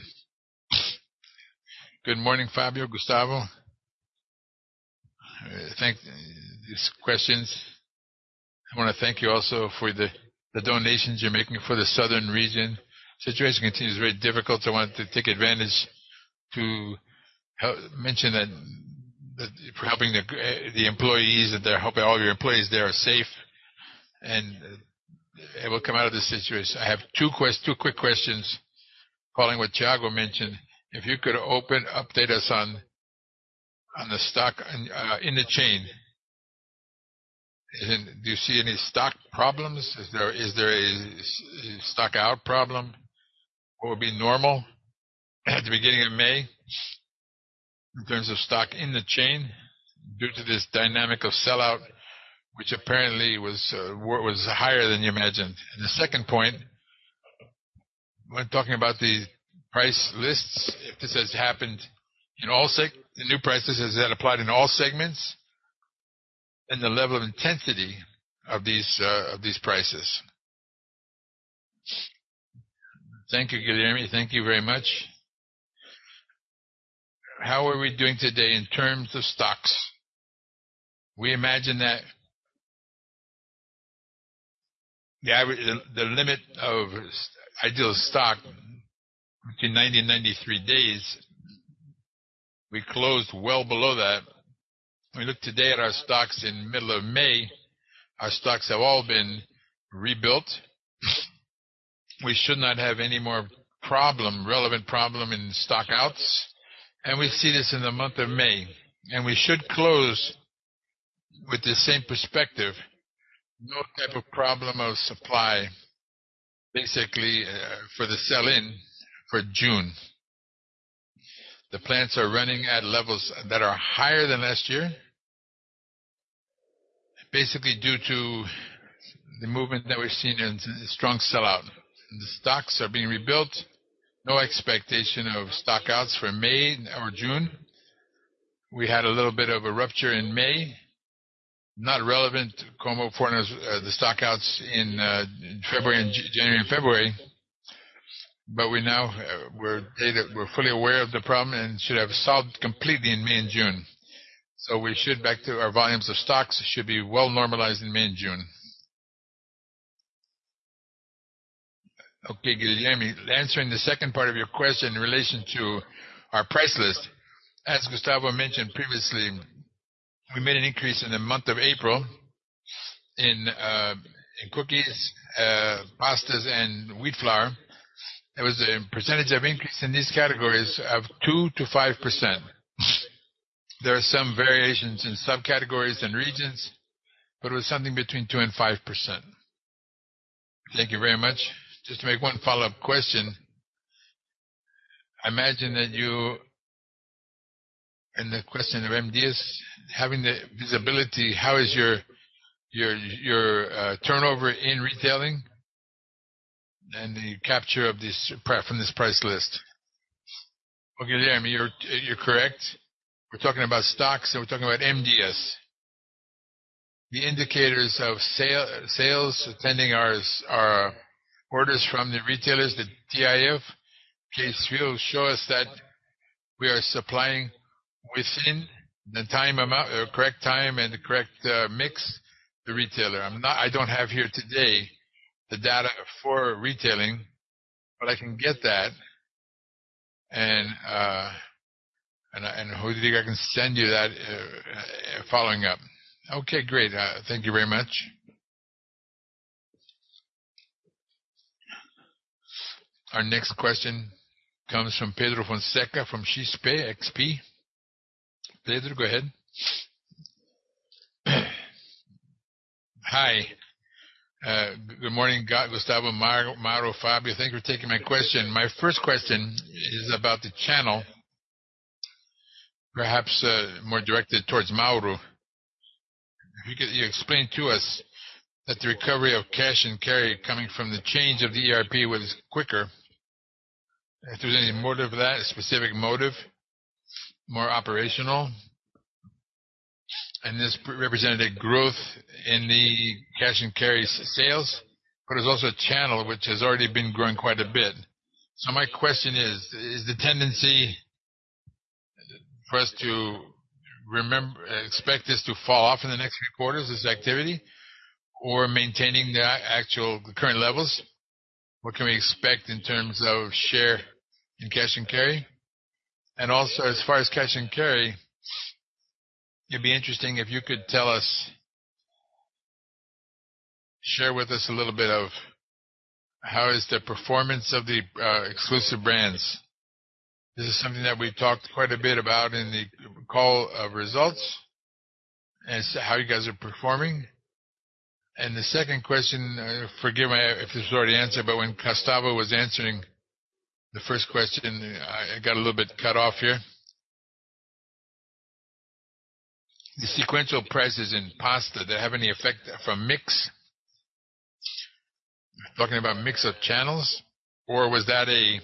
Good morning, Fábio, Gustavo. Thank you. I want to thank you also for the donations you're making for the southern region. The situation continues very difficult. I wanted to take advantage to mention that for helping the employees, that they're helping all your employees. They are safe, and it will come out of this situation. I have two quick questions. Following what Thiago mentioned, if you could update us on the stock in the chain, do you see any stock problems? Is there a stockout problem? What would be normal at the beginning of May in terms of stock in the chain due to this dynamic of sellout, which apparently was higher than you imagined? And the second point, when talking about the price lists, if this has happened in all the new prices, has that applied in all segments and the level of intensity of these prices? Thank you, Guilherme. Thank you very much. How are we doing today in terms of stocks? We imagine that the limit of ideal stock between 90 and 93 days, we closed well below that. When we look today at our stocks in the middle of May, our stocks have all been rebuilt. We should not have any more relevant problem in stockouts. We see this in the month of May. We should close with the same perspective, no type of problem of supply, basically, for the sell-in for June. The plants are running at levels that are higher than last year, basically due to the movement that we've seen in strong sell-out. The stocks are being rebuilt. No expectation of stockouts for May or June. We had a little bit of a rupture in May, not relevant to the stockouts in January and February, but we're fully aware of the problem and should have solved completely in May and June. So back to our volumes of stocks, it should be well normalized in May and June. Okay, Guilherme, answering the second part of your question in relation to our price list, as Gustavo mentioned previously, we made an increase in the month of April in cookies, pastas, and wheat flour. There was a percentage of increase in these categories of 2%-5%. There are some variations in subcategories and regions, but it was something between 2% and 5%. Thank you very much. Just to make one follow-up question, I imagine that you and the question of M. Dias, having the visibility, how is your turnover in retailing and the capture from this price list? Well, Guilherme, you're correct. We're talking about stocks, and we're talking about M. Dias. The indicators of sales attending our orders from the retailers, the OTIF, show us that we are supplying within the correct time and the correct mix, the retailer. I don't have here today the data for retailing, but I can get that. And I don't know how I can send you that following up. Okay, great. Thank you very much. Our next question comes from Pedro Fonseca from XP. Pedro, go ahead. Hi. Good morning, Gustavo, Mauro, Fábio. Thanks for taking my question. My first question is about the channel, perhaps more directed towards Mauro. If you could explain to us that the recovery of cash and carry coming from the change of the ERP was quicker, if there was any motive for that, a specific motive, more operational, and this represented a growth in the cash and carry sales, but it was also a channel which has already been growing quite a bit. So my question is, is the tendency for us to expect this to fall off in the next three quarters, this activity, or maintaining the actual current levels? What can we expect in terms of share in cash and carry? And also, as far as cash and carry, it'd be interesting if you could share with us a little bit of how is the performance of the exclusive brands? This is something that we've talked quite a bit about in the call of results as to how you guys are performing. The second question, forgive me if this was already answered, but when Gustavo was answering the first question, I got a little bit cut off here. The sequential prices in pasta, did it have any effect from mix? Talking about mix of channels, or was that a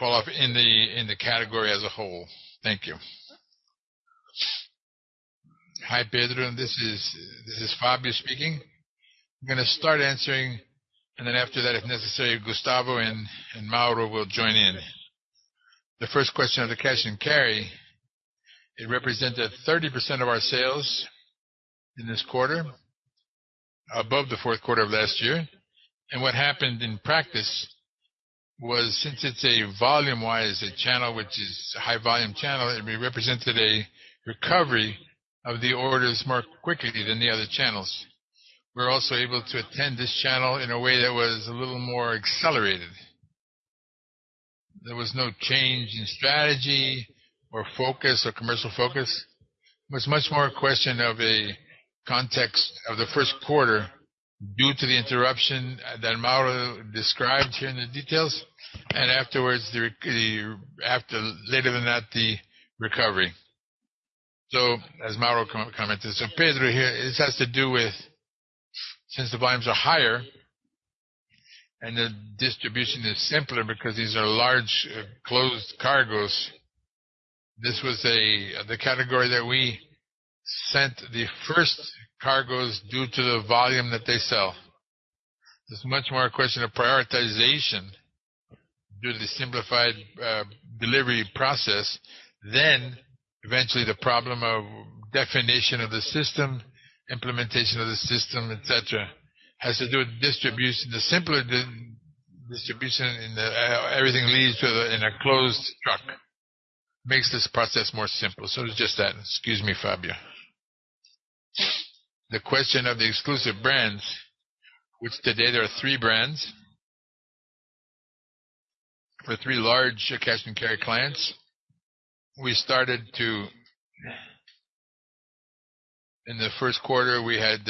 falloff in the category as a whole? Thank you. Hi, Pedro. This is Fábio speaking. I'm going to start answering, and then after that, if necessary, Gustavo and Mauro will join in. The first question of the cash and carry, it represented 30% of our sales in this quarter above the fourth quarter of last year. What happened in practice was, since it's a volume-wise channel, which is a high-volume channel, it represented a recovery of the orders more quickly than the other channels. We're also able to attend this channel in a way that was a little more accelerated. There was no change in strategy or commercial focus. It was much more a question of the first quarter due to the interruption that Mauro described here in the details and afterwards, later than that, the recovery. So as Mauro commented, so Pedro here, this has to do with since the volumes are higher and the distribution is simpler because these are large closed cargoes, this was the category that we sent the first cargoes due to the volume that they sell. It's much more a question of prioritization due to the simplified delivery process than eventually the problem of definition of the system, implementation of the system, etc. Has to do with the distribution. The simpler distribution in the everything leads to in a closed truck, makes this process more simple. So it's just that. Excuse me, Fábio. The question of the exclusive brands, which today there are three brands for three large cash and carry clients, we started to in the first quarter, we had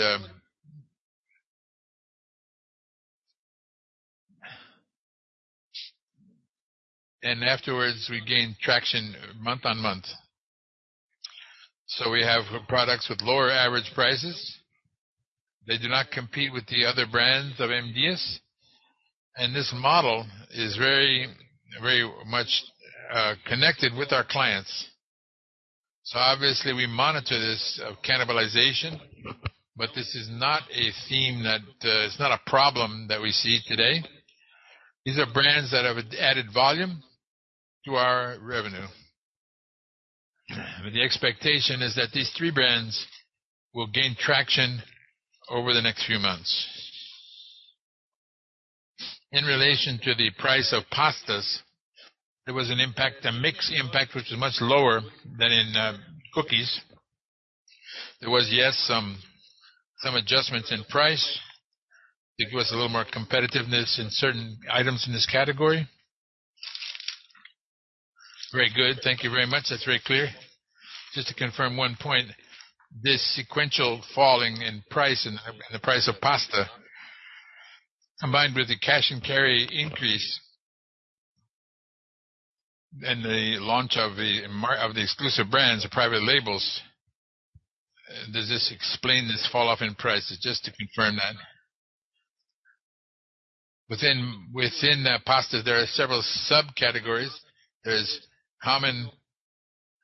and afterwards, we gained traction month on month. So we have products with lower average prices. They do not compete with the other brands of M. Dias. And this model is very much connected with our clients. So obviously, we monitor this cannibalization, but this is not a theme that it's not a problem that we see today. These are brands that have added volume to our revenue. The expectation is that these three brands will gain traction over the next few months. In relation to the price of pastas, there was an impact, a mixed impact, which was much lower than in cookies. There was, yes, some adjustments in price to give us a little more competitiveness in certain items in this category. Very good. Thank you very much. That's very clear. Just to confirm one point, this sequential falling in price and the price of pasta, combined with the cash and carry increase and the launch of the exclusive brands, the private labels, does this explain this falloff in price? Just to confirm that. Within pastas, there are several subcategories. There is common,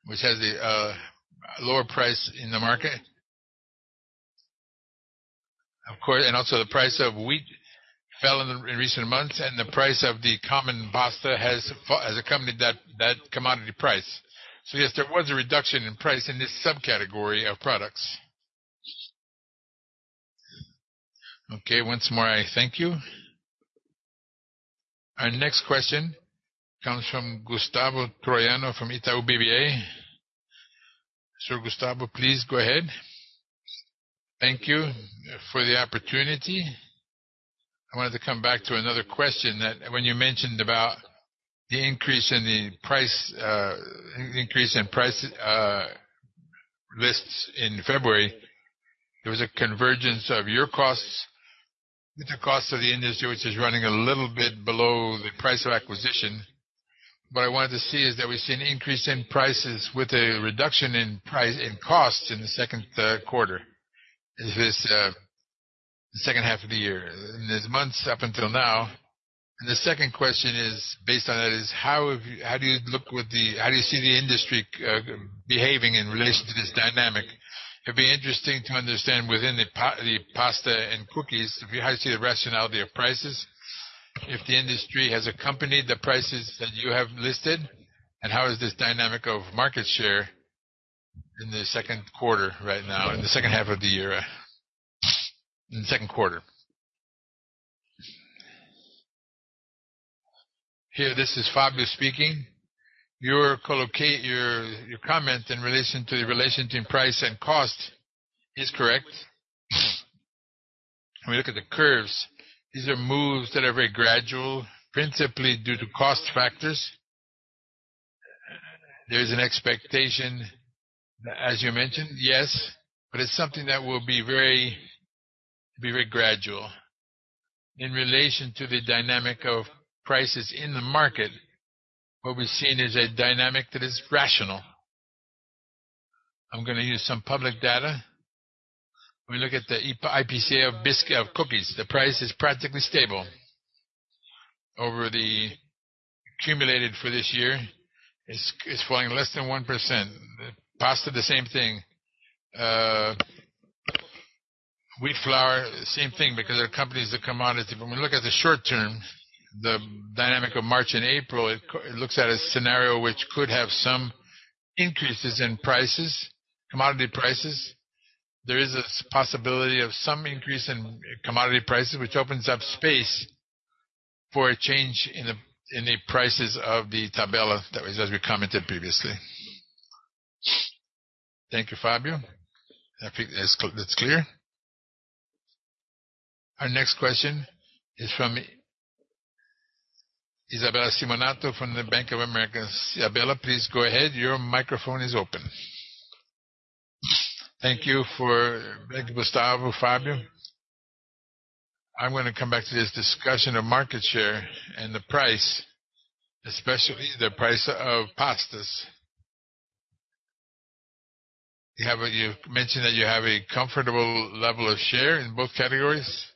which has a lower price in the market, and also the price of wheat fell in recent months, and the price of the common pasta has accompanied that commodity price. So yes, there was a reduction in price in this subcategory of products. Okay, once more, I thank you. Our next question comes from Gustavo Troyano from Itaú BBA. Sir, Gustavo, please go ahead. Thank you for the opportunity. I wanted to come back to another question that when you mentioned about the increase in the price lists in February, there was a convergence of your costs with the costs of the industry, which is running a little bit below the price of acquisition. What I wanted to see is that we've seen an increase in prices with a reduction in costs in the second quarter, the second half of the year, in these months up until now. And the second question based on that is, how do you see the industry behaving in relation to this dynamic? It'd be interesting to understand within the pasta and cookies, how do you see the rationality of prices if the industry has accompanied the prices that you have listed, and how is this dynamic of market share in the second quarter right now, in the second half of the year, in the second quarter? Here, this is Fábio speaking. Your comment in relation to the relationship between price and cost is correct. When we look at the curves, these are moves that are very gradual, principally due to cost factors. There is an expectation, as you mentioned, yes, but it's something that will be very gradual. In relation to the dynamic of prices in the market, what we've seen is a dynamic that is rational. I'm going to use some public data. When we look at the IPCA of cookies, the price is practically stable over the accumulated for this year. It's falling less than 1%. Pasta, the same thing. Wheat flour, same thing because they're companies, the commodity. When we look at the short term, the dynamic of March and April, it looks at a scenario which could have some increases in commodity prices. There is a possibility of some increase in commodity prices, which opens up space for a change in the prices of the tabela, as we commented previously. Thank you, Fábio. I think that's clear. Our next question is from Isabella Simonato from the Bank of America. Isabella, please go ahead. Your microphone is open. Thank you. Thank you, Gustavo, Fábio. I'm going to come back to this discussion of market share and the price, especially the price of pastas. You mentioned that you have a comfortable level of share in both categories.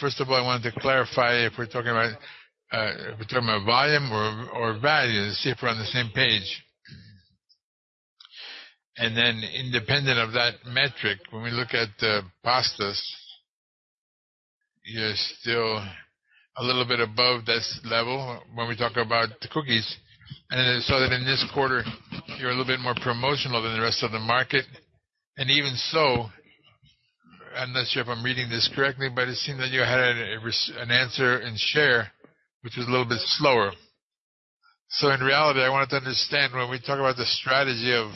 First of all, I wanted to clarify if we're talking about if we're talking about volume or value, to see if we're on the same page. Then independent of that metric, when we look at pastas, you're still a little bit above that level when we talk about the cookies. I saw that in this quarter, you're a little bit more promotional than the rest of the market. Even so, I'm not sure if I'm reading this correctly, but it seemed that you had an answer in share, which was a little bit slower. So in reality, I wanted to understand when we talk about the strategy of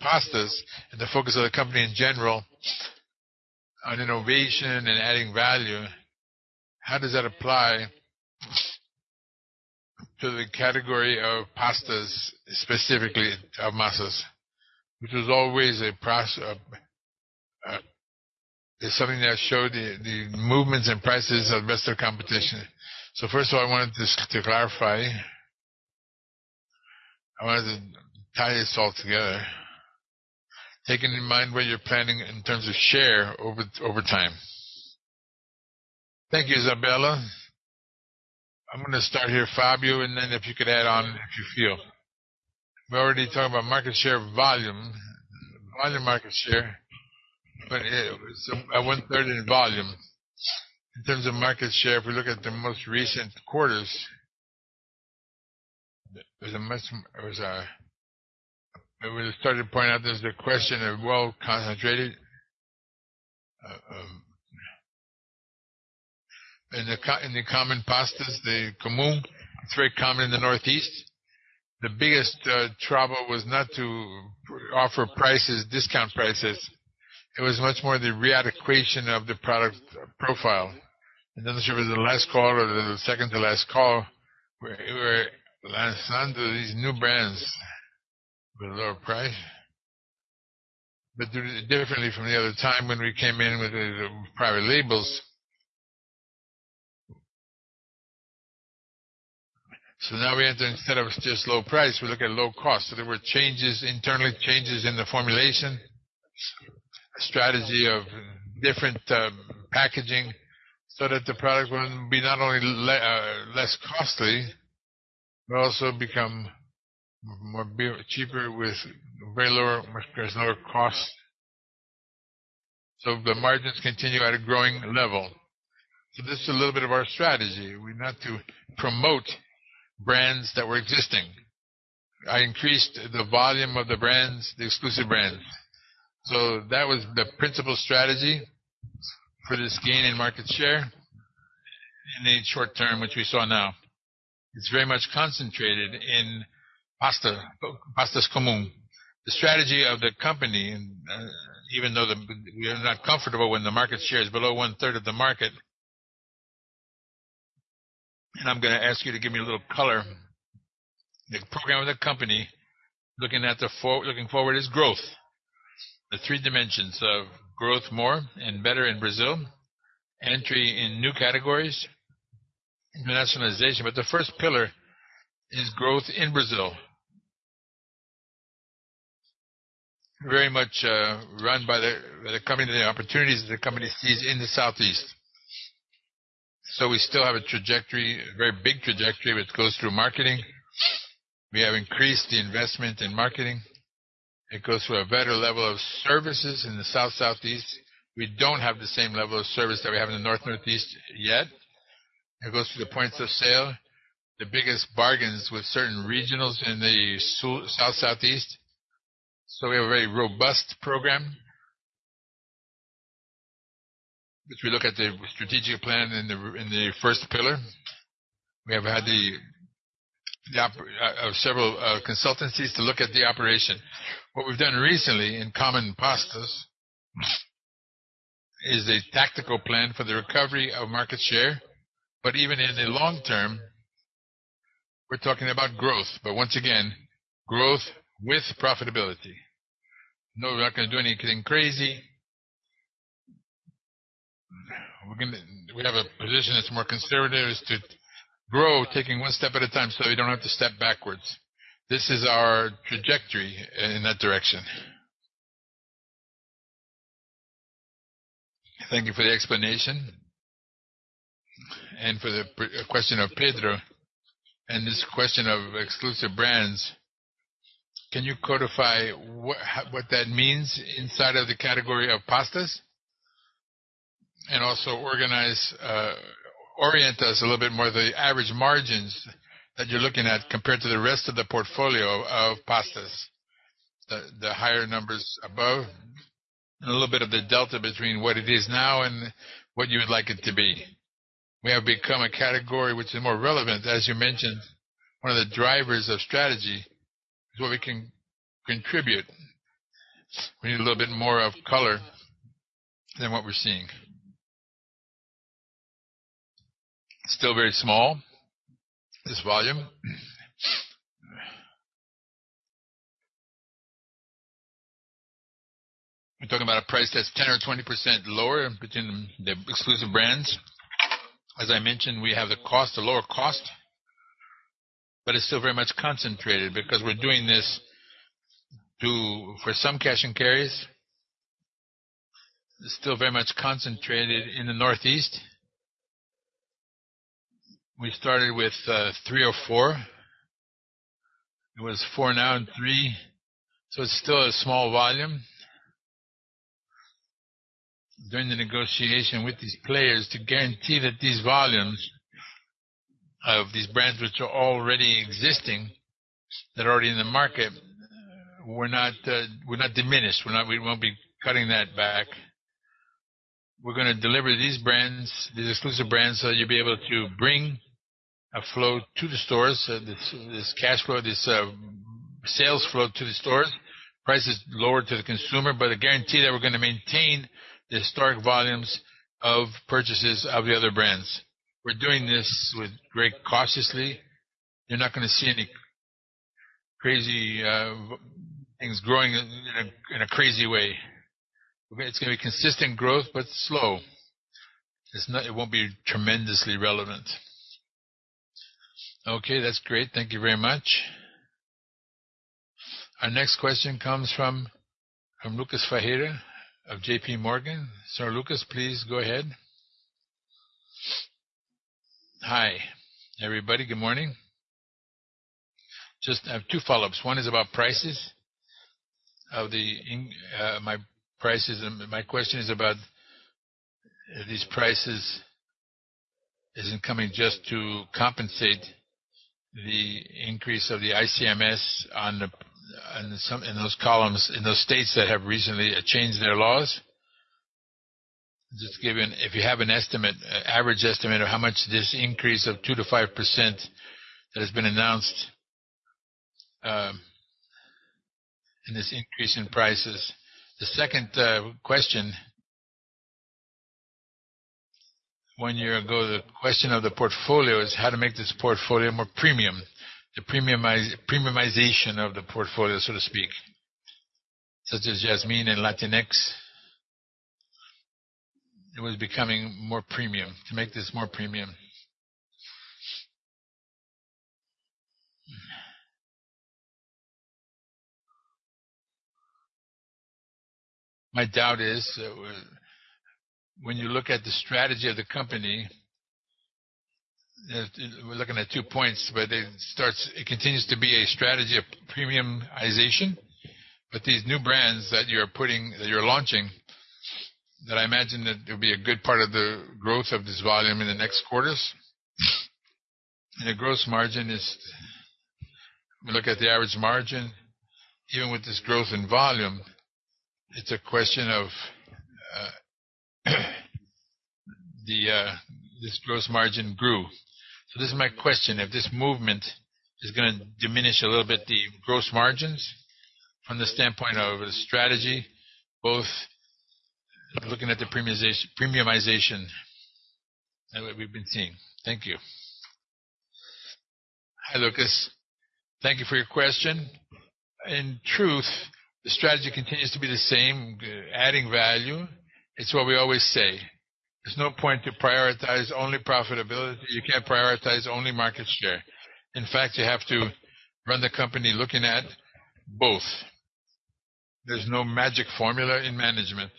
pastas and the focus of the company in general on innovation and adding value, how does that apply to the category of pastas, specifically of massas, which was always a—it's something that showed the movements and prices of the rest of the competition. So first of all, I wanted to clarify. I wanted to tie this all together, taking in mind what you're planning in terms of share over time. Thank you, Isabella. I'm going to start here, Fábio, and then if you could add on if you feel. We already talked about market share volume, volume market share, but it was a 1/3 in volume. In terms of market share, if we look at the most recent quarters, there's a much I would have started pointing out there's the question of well-concentrated. In the common pastas, the kamu, it's very common in the Northeast. The biggest trouble was not to offer discount prices. It was much more the readequation of the product profile. And I'm not sure if it was the last call or the second-to-last call where we were launching onto these new brands with a lower price, but differently from the other time when we came in with the private labels. So now we enter, instead of just low price, we look at low cost. So there were changes, internal changes in the formulation, a strategy of different packaging so that the product wouldn't be not only less costly, but also become cheaper with very lower; there's lower cost. So the margins continue at a growing level. So this is a little bit of our strategy, not to promote brands that were existing. I increased the volume of the exclusive brands. So that was the principal strategy for this gain in market share in the short term, which we saw now. It's very much concentrated in pastas, pastas como. The strategy of the company, even though we are not comfortable when the market share is below one-third of the market and I'm going to ask you to give me a little color. The program of the company, looking forward, is growth, the three dimensions of growth more and better in Brazil, entry in new categories, internationalization. But the first pillar is growth in Brazil, very much run by the company the opportunities that the company sees in the Southeast. So we still have a trajectory, a very big trajectory which goes through marketing. We have increased the investment in marketing. It goes to a better level of services in the South Southeast. We don't have the same level of service that we have in the North Northeast yet. It goes to the points of sale, the biggest bargains with certain regionals in the South Southeast. So we have a very robust program, which we look at the strategic plan in the first pillar. We have had several consultancies to look at the operation. What we've done recently in common pastas is a tactical plan for the recovery of market share. But even in the long term, we're talking about growth, but once again, growth with profitability. No, we're not going to do anything crazy. We have a position that's more conservative, is to grow, taking one step at a time so we don't have to step backwards. This is our trajectory in that direction. Thank you for the explanation. For the question of Pedro and this question of exclusive brands, can you codify what that means inside of the category of pastas and also orient us a little bit more the average margins that you're looking at compared to the rest of the portfolio of pastas, the higher numbers above, and a little bit of the delta between what it is now and what you would like it to be? We have become a category which is more relevant, as you mentioned, one of the drivers of strategy is what we can contribute. We need a little bit more of color than what we're seeing. Still very small, this volume. We're talking about a price that's 10% or 20% lower between the exclusive brands. As I mentioned, we have the cost, the lower cost, but it's still very much concentrated because we're doing this for some cash and carries. It's still very much concentrated in the Northeast. We started with 3 or 4. It was 4 now and 3. So it's still a small volume. During the negotiation with these players to guarantee that these volumes of these brands, which are already existing, that are already in the market, were not diminished. We won't be cutting that back. We're going to deliver these brands, these exclusive brands, so you'll be able to bring a flow to the stores, this cash flow, this sales flow to the stores, prices lower to the consumer, but a guarantee that we're going to maintain the historic volumes of purchases of the other brands. We're doing this very cautiously. You're not going to see any crazy things growing in a crazy way. It's going to be consistent growth, but slow. It won't be tremendously relevant. Okay, that's great. Thank you very much. Our next question comes from Lucas Ferreira of JPMorgan. Sir, Lucas, please go ahead. Hi, everybody. Good morning. I have two follow-ups. One is about prices of the my question is about these prices isn't coming just to compensate the increase of the ICMS in those states that have recently changed their laws. Just given if you have an estimate, an average estimate of how much this increase of 2%-5% that has been announced and this increase in prices. The second question, one year ago, the question of the portfolio is how to make this portfolio more premium, the premiumization of the portfolio, so to speak, such as Jasmine and Latinex. It was becoming more premium, to make this more premium. My doubt is when you look at the strategy of the company. We're looking at two points, but it continues to be a strategy of premiumization. But these new brands that you're launching, that I imagine that it'll be a good part of the growth of this volume in the next quarters. And the gross margin is when we look at the average margin, even with this growth in volume. It's a question of this gross margin grew. So this is my question. If this movement is going to diminish a little bit the gross margins from the standpoint of the strategy, both looking at the premiumization and what we've been seeing. Thank you. Hi, Lucas. Thank you for your question. In truth, the strategy continues to be the same, adding value. It's what we always say. There's no point to prioritize only profitability. You can't prioritize only market share. In fact, you have to run the company looking at both. There's no magic formula in management.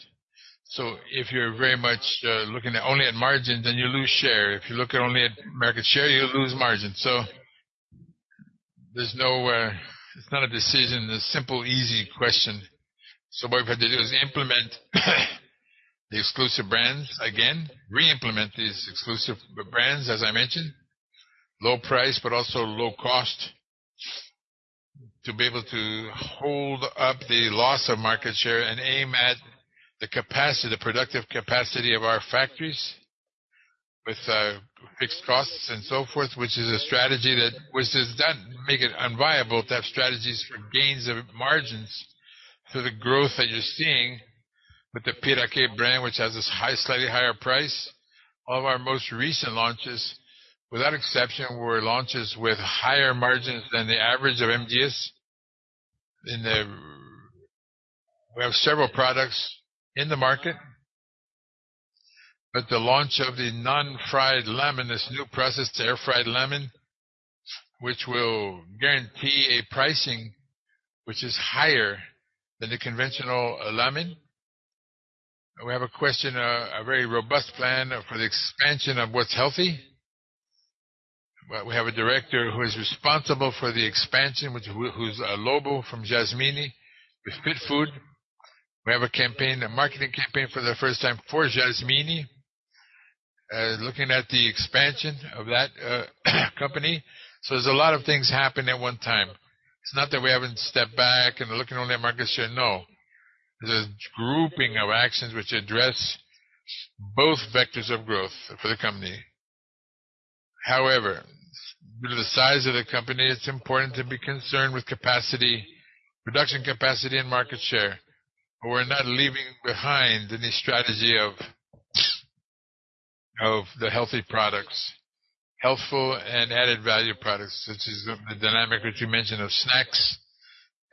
So if you're very much looking only at margins, then you lose share. If you look only at market share, you lose margins. So it's not a decision. It's a simple, easy question. So what we've had to do is implement the exclusive brands again, reimplement these exclusive brands, as I mentioned, low price, but also low cost, to be able to hold up the loss of market share and aim at the capacity, the productive capacity of our factories with fixed costs and so forth, which is a strategy that, once it's done, makes it unviable to have strategies for gains of margins through the growth that you're seeing with the Piraqué brand, which has this slightly higher price. All of our most recent launches, without exception, were launches with higher margins than the average of MGS. We have several products in the market, but the launch of the non-fried Lámen, this new process to air-fried Lámen, which will guarantee a pricing which is higher than the conventional Lámen. We have a very robust plan for the expansion of what's healthy. We have a director who is responsible for the expansion, who's also from Jasmine with Fit Food. We have a marketing campaign for the first time for Jasmine, looking at the expansion of that company. So there's a lot of things happening at one time. It's not that we haven't stepped back and are looking only at market share. No. There's a grouping of actions which address both vectors of growth for the company. However, due to the size of the company, it's important to be concerned with production capacity and market share, but we're not leaving behind any strategy of the healthy products, healthful and added value products, such as the dynamic which you mentioned of snacks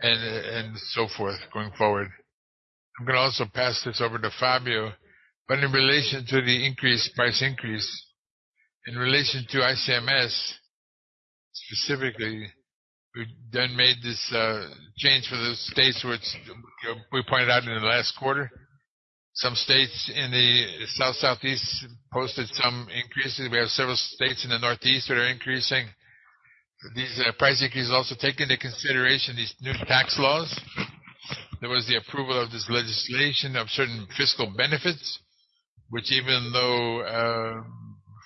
and so forth going forward. I'm going to also pass this over to Fábio. But in relation to the price increase, in relation to ICMS specifically, we then made this change for the states which we pointed out in the last quarter. Some states in the South Southeast posted some increases. We have several states in the Northeast that are increasing. These price increases also take into consideration these new tax laws. There was the approval of this legislation of certain fiscal benefits, which even though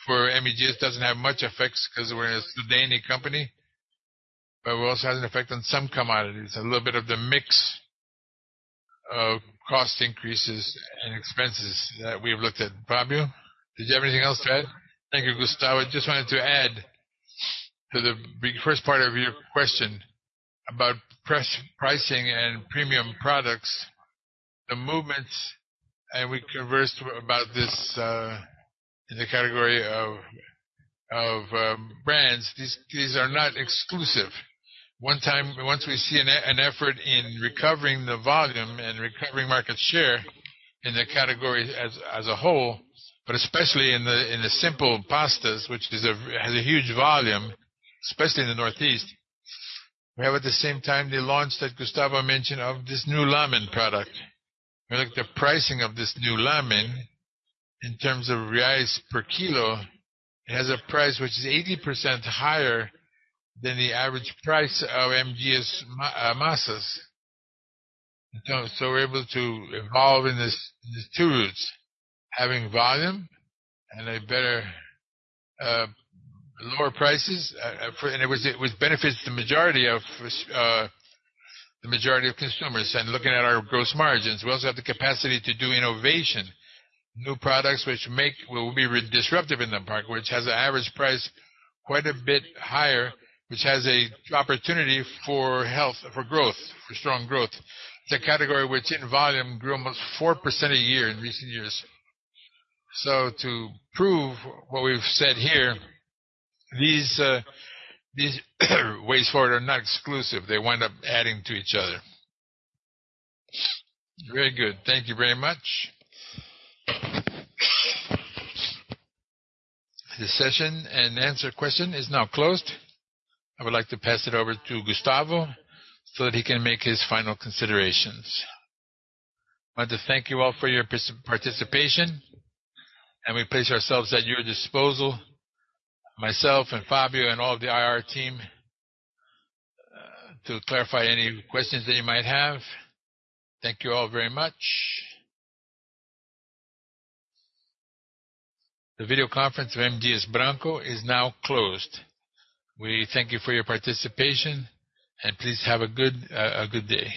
for M. Dias doesn't have much effects because we're a SUDENE company, but it also has an effect on some commodities, a little bit of the mix of cost increases and expenses that we have looked at. Fábio, did you have anything else to add? Thank you, Gustavo. I just wanted to add to the first part of your question about pricing and premium products, the movements, and we conversed about this in the category of brands. These are not exclusive. Once we see an effort in recovering the volume and recovering market share in the category as a whole, but especially in the simple pastas, which has a huge volume, especially in the Northeast, we have at the same time the launch that Gustavo mentioned of this new Lámen product. We look at the pricing of this new Lámen in terms of BRL per kilo. It has a price which is 80% higher than the average price of our pastas. So we're able to evolve in these two routes, having volume and lower prices, and which benefits the majority of consumers. Looking at our gross margins, we also have the capacity to do innovation, new products which will be disruptive in the market, which has an average price quite a bit higher, which has an opportunity for growth, for strong growth. It's a category which in volume grew almost 4% a year in recent years. So to prove what we've said here, these ways forward are not exclusive. They wind up adding to each other. Very good. Thank you very much. The Q&A session is now closed. I would like to pass it over to Gustavo so that he can make his final considerations. I want to thank you all for your participation, and we place ourselves at your disposal, myself and Fábio and all of the IR team, to clarify any questions that you might have. Thank you all very much. The video conference of M. Dias Branco is now closed. We thank you for your participation, and please have a good day.